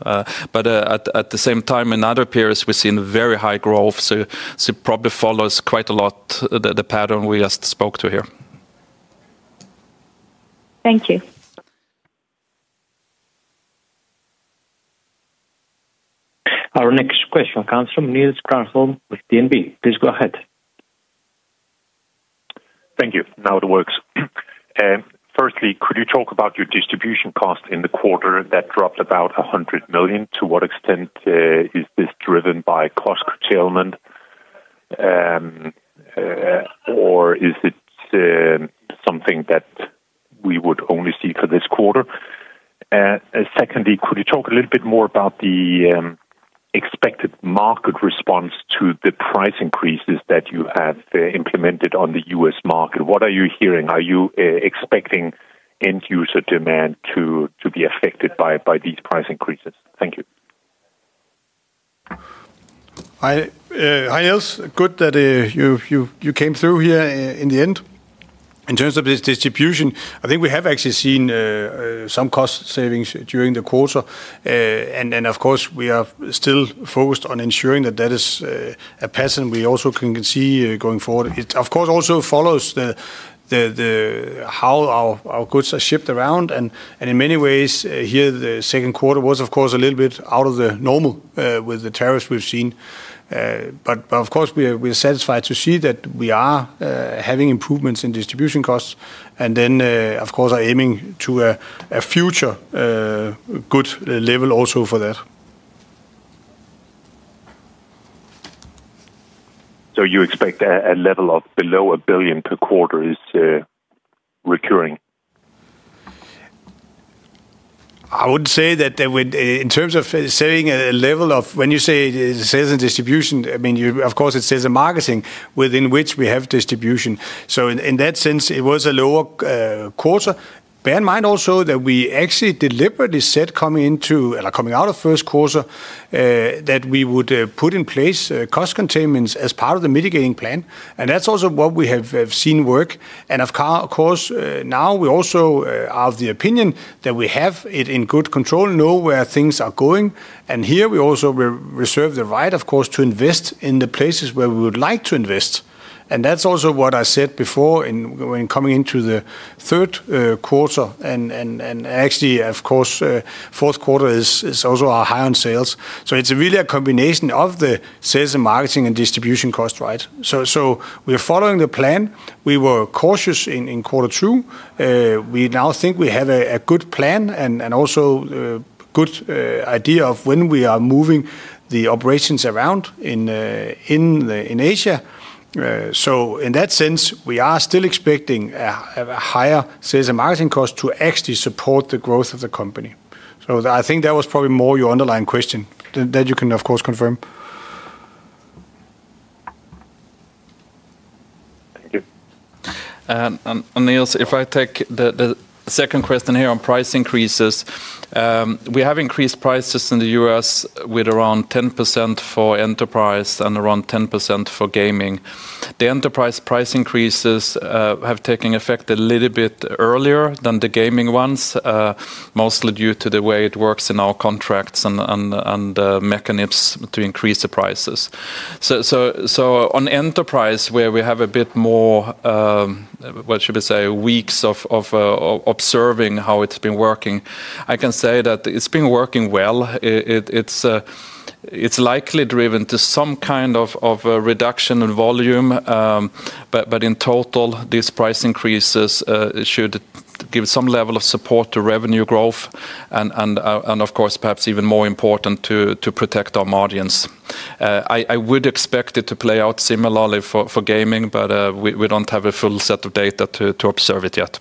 At the same time, in other periods we've seen very high growth, so it probably follows quite a lot the pattern we just spoke to here. Thank you. Our next question comes from Niels Granholm-Leth with DNB. Please go ahead. Thank you. Now it works. Firstly, could you talk about your distribution cost in the quarter that dropped about $100 million. To what extent is this driven by cost curtailment or is it something that we would only see for this quarter? Secondly, could you talk a little bit more about the expected market response to the price increases that you have implemented on the US market? What are you hearing? Are you expecting end user demand to be affected by these price increases? Thank you. Hi. Hi Niels. Good that you came through here in the end. In terms of this distribution, I think we have actually seen some cost savings during the quarter, and of course we are still focused on ensuring that that is a pattern we also can see going forward. It of course also follows how our goods are shipped around and in many ways here. The second quarter was of course a little bit out of the normal with the tariffs we've seen. Of course we're satisfied to see that we are having improvements in distribution costs and then of course are aiming to a future good level also for that. You expect a level of below $1 billion per quarter is recurring. I wouldn't say that in terms of setting a level of. When you say sales and distribution, I mean of course it sits in marketing within which we have distribution. In that sense, it was a lower quarter. Bear in mind also that we actually deliberately said coming out of First Quarter that we would put in place cost containments as part of the mitigating plan. That's also what we have seen work. We are of the opinion that we have it in good control, know where things are going, and we also reserve the right to invest in the places where we would like to invest. That's also what I said before when coming into the third quarter. Actually, fourth quarter is also high on sales. It's really a combination of the sales and marketing and distribution cost. Right. We are following the plan. We were cautious in quarter two. We now think we have a good plan and of when we are moving the operations around in Asia. In that sense, we are still expecting a higher sales and marketing cost to actually support the growth of the company. I think that was probably more your underlying question that you can of course confirm. Anils, if I take the second question here. On price increases, we have increased prices in the U.S. with around 10% for Enterprise and around 10% for Gaming. The Enterprise price increases have taken effect a little bit earlier than the Gaming ones, mostly due to the way it works in our contracts and mechanisms to increase the prices. On Enterprise, where we have a bit more, what should I say, weeks of observing how it's been working, I can say that it's been working well. It's likely driven to some kind of reduction in volume. In total these price increases should give some level of support to revenue growth and of course perhaps even more important to protect our margins. I would expect it to play out similarly for Gaming, but we don't have a full set of data to observe it yet.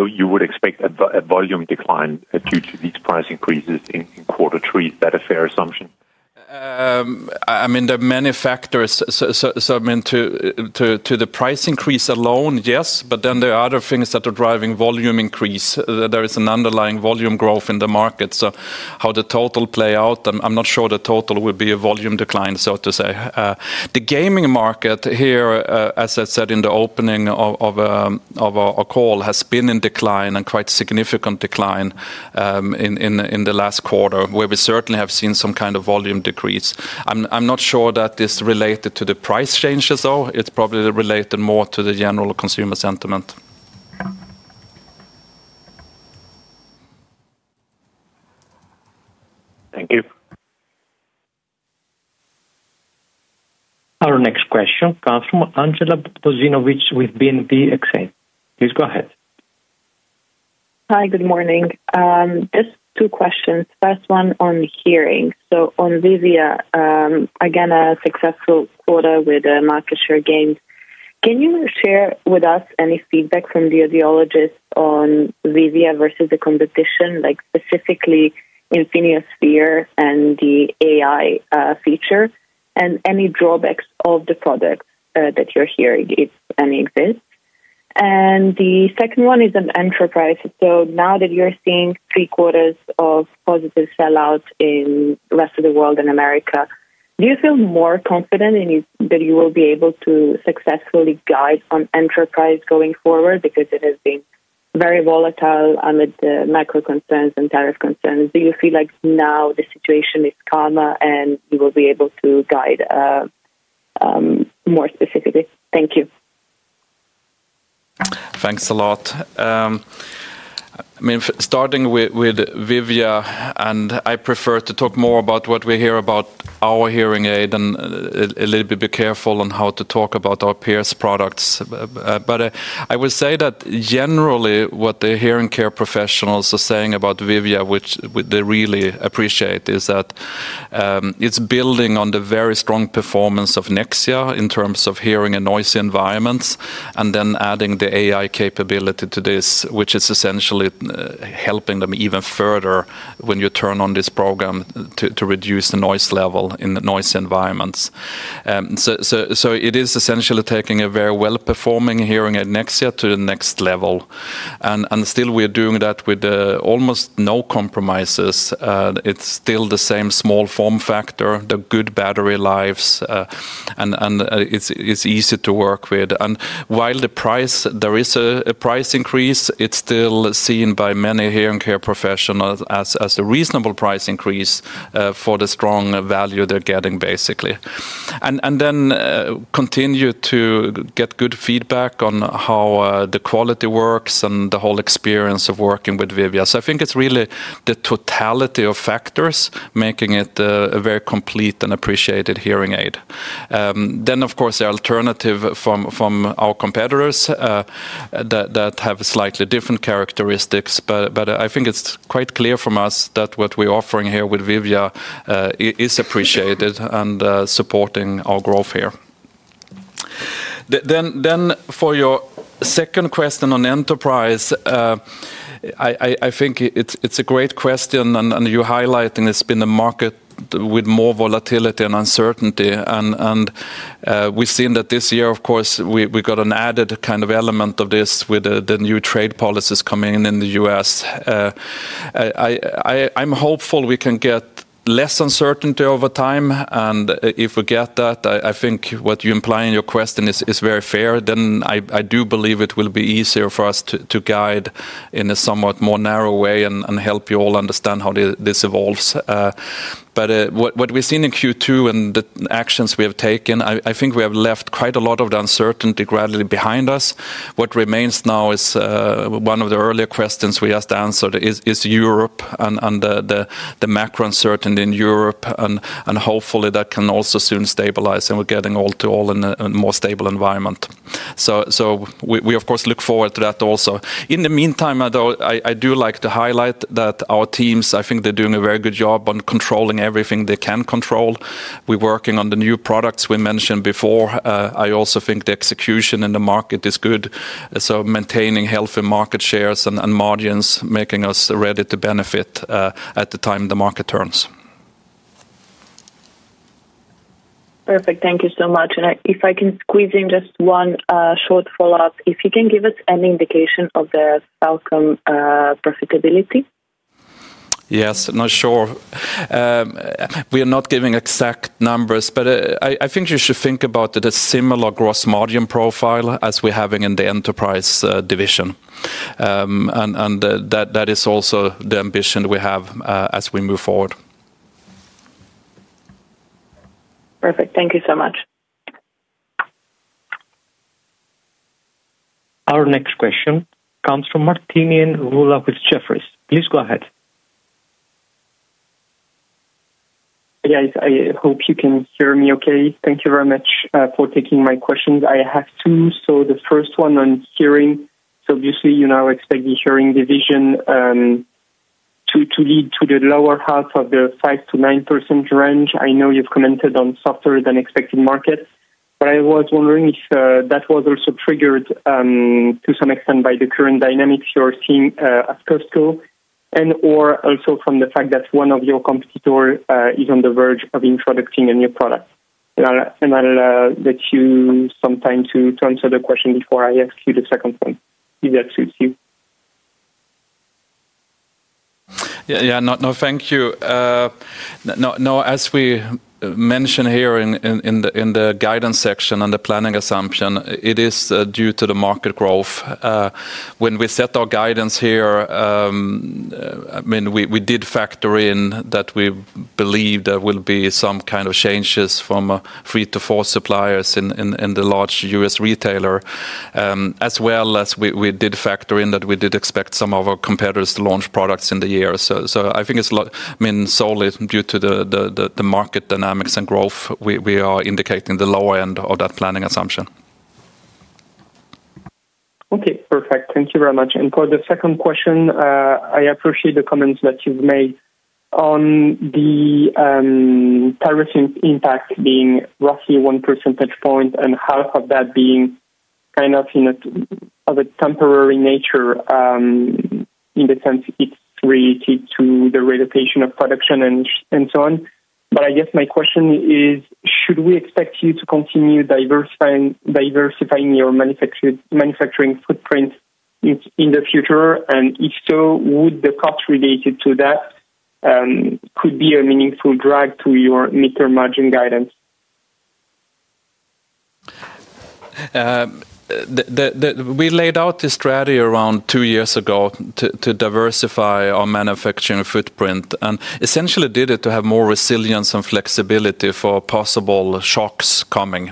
Would you expect a volume decline due to these price increases in quarter three? Is that a fair assumption? There are many factors that contribute to the price increase alone. Yes, but then there are other things that are driving volume increase. There is an underlying volume growth in the markets. How the total plays out, I'm not sure the total will be a volume decline, so to say. The gaming market here, as I said in the opening of our call, has been in decline and quite significant decline in the last quarter where we certainly have seen some kind of volume decrease. I'm not sure that is related to the price changes, though it's probably related more to the general consumer sentiment. Thank you. Our next question comes from Andjela Bozinovic with BNP Exane. Please go ahead. Hi, good morning. Just two questions. First one on Hearing, so on Vivia, again a successful order with market share gained. Can you share with us any feedback from the audiologist on Vivia versus the competition, like specifically Infinius, Sphere, and the AI feature, and any drawbacks of the product that you're hearing exist? The second one is on Enterprise. Now that you're seeing three quarters of positive sellout in Rest of the World, in America, do you feel more confident that you will be able to successfully guide on Enterprise going forward? It has been very volatile amid the macro concerns and tariff concerns. Do you feel like now the situation is calmer and you will be able to guide more specifically? Thank you. Thanks a lot. Starting with Vivia, I prefer to talk more about what we hear about our hearing aid and be a little bit careful on how to talk about our peers' products. I would say that generally what the hearing care professionals are saying about Vivia, which they really appreciate, is that it's building on the very strong performance of Nexia in terms of hearing in noisy environments and then adding the AI capability to this, which is essentially helping them even further when you turn on this program to reduce the noise level in the noisy environments. It is essentially taking a very well-performing hearing aid, Nexia, to the next level. We are doing that with almost no compromises. It's still the same small form factor, the good battery lives, and it's easy to work with. While there is a price increase, it's still seen by many hearing care professionals as a reasonable price increase for the strong value they're getting basically, and they continue to get good feedback on how the quality works and the whole experience of working with Vivia. I think it's really the totality of factors making it a very complete and appreciated hearing aid. Of course, the alternative from our competitors has slightly different characteristics. I think it's quite clear from us that what we're offering here with Vivia is appreciated and supporting our growth here. For your second question on Enterprise, I think it's a great question and you highlight it's been a market with more volatility and uncertainty and we've seen that this year. We got an added kind of element of this with the new trade policies coming in the U.S. I'm hopeful we can get less uncertainty over time. If we get that, I think what you imply in your question is very fair, then I do believe it will be easier for us to guide in a somewhat more narrow way and help you all understand how this evolves. What we've seen in Q2 and the actions we have taken, I think we have left quite a lot of the uncertainty gradually behind us. What remains now is one of the earlier questions we just answered, which is Euro and the macro uncertainty in Europe, and hopefully that can also soon stabilize and we're getting all to all in a more stable environment. We of course look forward to that also. In the meantime, I do like to highlight that our teams, I think they're doing a very good job on controlling everything they can control. We're working on the new products we mentioned before. I also think the execution in the market is good, maintaining healthy market shares and margins, making us ready to benefit at the time the market terms. Perfect, thank you so much. If I can squeeze in just one short follow-up, if you can give us any indication of the outcome profitability. Yes. Not sure. We are not giving exact numbers, but I think you should think about a similar gross margin profile as we're having in the Enterprise division. That is also the ambition we have as we move forward. Perfect, thank you so much. Our next question comes from Martinien Rula with Jefferies. Please go ahead. Guys. I hope you can hear me. Okay, thank you very much for taking my questions. I have two, so the first one on hearing. Obviously, you now expect the hearing division to lead to the lower half of the 5%-9% range. I know you've commented on softer than expected markets, but I was wondering if that was also triggered to some extent by the current dynamics you're seeing at Costco and or also from the fact that one of your competitors is on the verge of introducing a new product. I'll let you have some time to answer the question before I ask you the second point if that suits you. Thank you. As we mentioned here in the guidance section on the planning assumption, it is due to the market growth. When we set our guidance here, we did factor in that we believe there will be some kind of changes from three to four suppliers in the large US retailer, as well as we did factor in that we did expect some of our competitors to launch products in the year. I think it's solely due to the market dynamics and growth we are indicating the low end of that planning assumption. Okay, perfect. Thank you very much. For the second question, I appreciate the comments that you've made on the tariff impact being roughly 1% and how you have that being kind of a temporary nature in the sense it's related to the relocation of production and so on. I guess my question is, should we expect you to continue diversifying your manufacturing footprint in the future? If so, would the cost related to that be a meaningful drag to your mid-term margin guidance? We laid out this strategy around two years ago to diversify our manufacturing footprint and essentially did it to have more resilience and flexibility for possible shocks coming.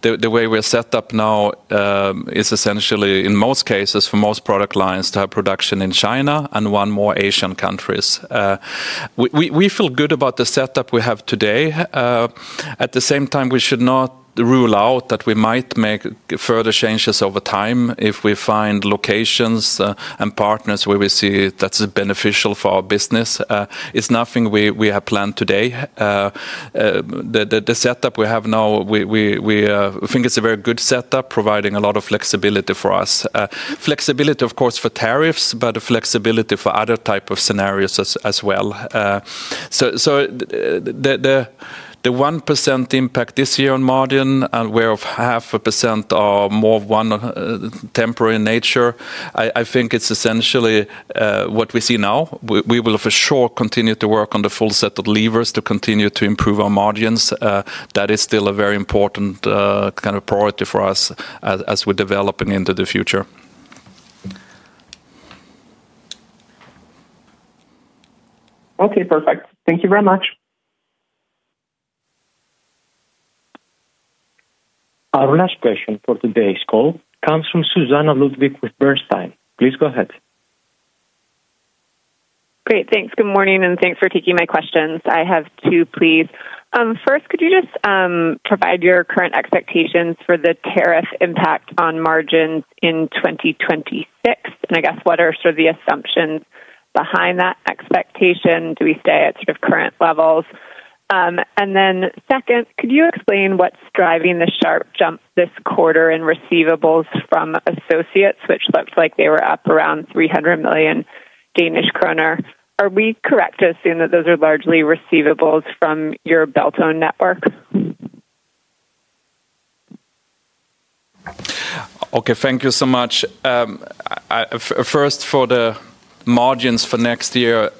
The way we're set up now is essentially in most cases for most product lines to have production in China and one more Asian countries. We feel good about the setup we have today. At the same time, we should not rule out that we might make further changes over time if we find locations and partners where we see that's beneficial for our business. It's nothing we have planned today. The setup we have now, we think it's a very good setup, providing a lot of flexibility for us, flexibility of course for tariffs, but flexibility for other type of scenarios as well. The 1% impact this year on margin, 0.5%, are more one temporary in nature. I think it's essentially what we see now. We will for sure continue to work on the full set of levers to continue to improve our margins. That is still a very important kind of priority for us as we're developing into the future. Okay, perfect. Thank you very much. Our last question for today's call comes from Susannah Ludwig with Bernstein. Please go ahead. Great, thanks. Good morning and thanks for taking my questions. I have two please. First, could you just provide your current expectations for the tariff impact on margins in 2026 and I guess what are sort of the assumptions behind that expectation? Do we stay at sort of current levels? Second, could you explain what's driving the sharp jump this quarter in receivables from associates which looked like they were up around 300 million Danish kroner? Are we correct to assume that those are largely receivables from your Beltone network? Okay, thank you so much. First, for the margins for next year,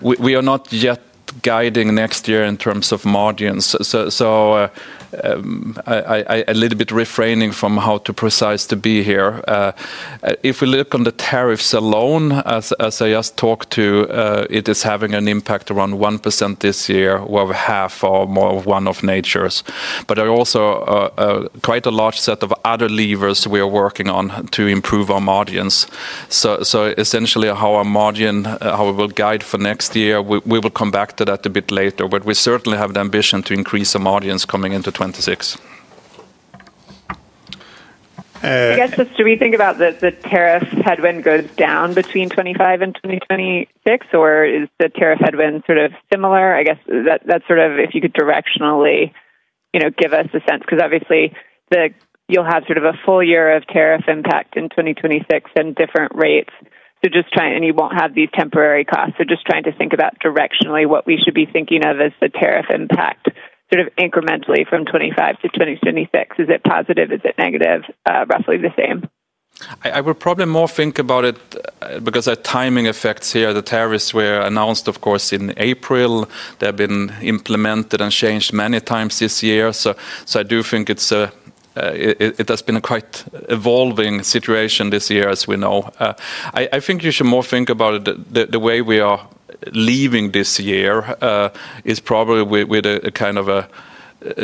we are not yet guiding next year in terms of margins, so a little bit refraining from how precise to be here. If we look on the tariffs alone, as I just talked to, it is having an impact around 1% this year or half or more of one of natures. There are also quite a large set of other levers we are working on to improve our margins. Essentially, how we will guide for next year, we will come back to that a bit later. We certainly have the ambition to increase some audience coming into 2026. Do we think about the tariff headwind going down between 2025 and 2026, or is the tariff headwind sort of similar? If you could directionally give us a sense, because obviously you'll have a full year of tariff impact in 2026 and different rates. You won't have these temporary costs. Just trying to think about directionally what we should be thinking of as the tariff impact incrementally from 2025 to 2026. Is it positive, is it negative, or roughly the same? I would probably more think about it because the timing effects here, the tariffs were announced, of course, in April. They've been implemented and changed many times this year. I do think it has been a quite evolving situation this year as we know. I think you should more think about it. The way we are leaving this year is probably with a kind of a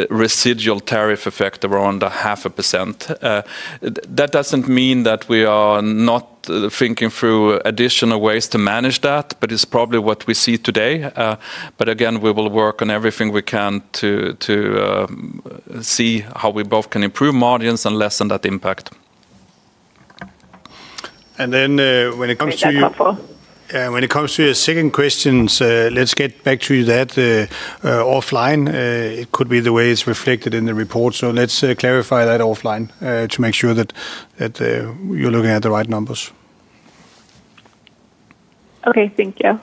residual tariff effect around 0.5%. That doesn't mean that we are not thinking through additional ways to manage that, but it's probably what we see today. We will work on everything we can to see how we both can improve margins and lessen that impact. When it comes to your second question, let's get back to that offline. It could be the way it's reflected in the report. Let's clarify that offline to make sure that you're looking at the right numbers. Okay, thank you.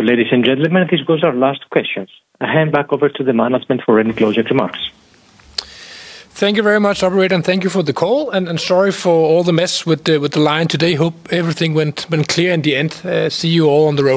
Ladies and gentlemen, this was our last question. I hand back over to the management for any closing remarks. Thank you very much, operator, and thank you for the call. Sorry for all the mess with the line today. Hope everything went clear in the end. See you all on the road.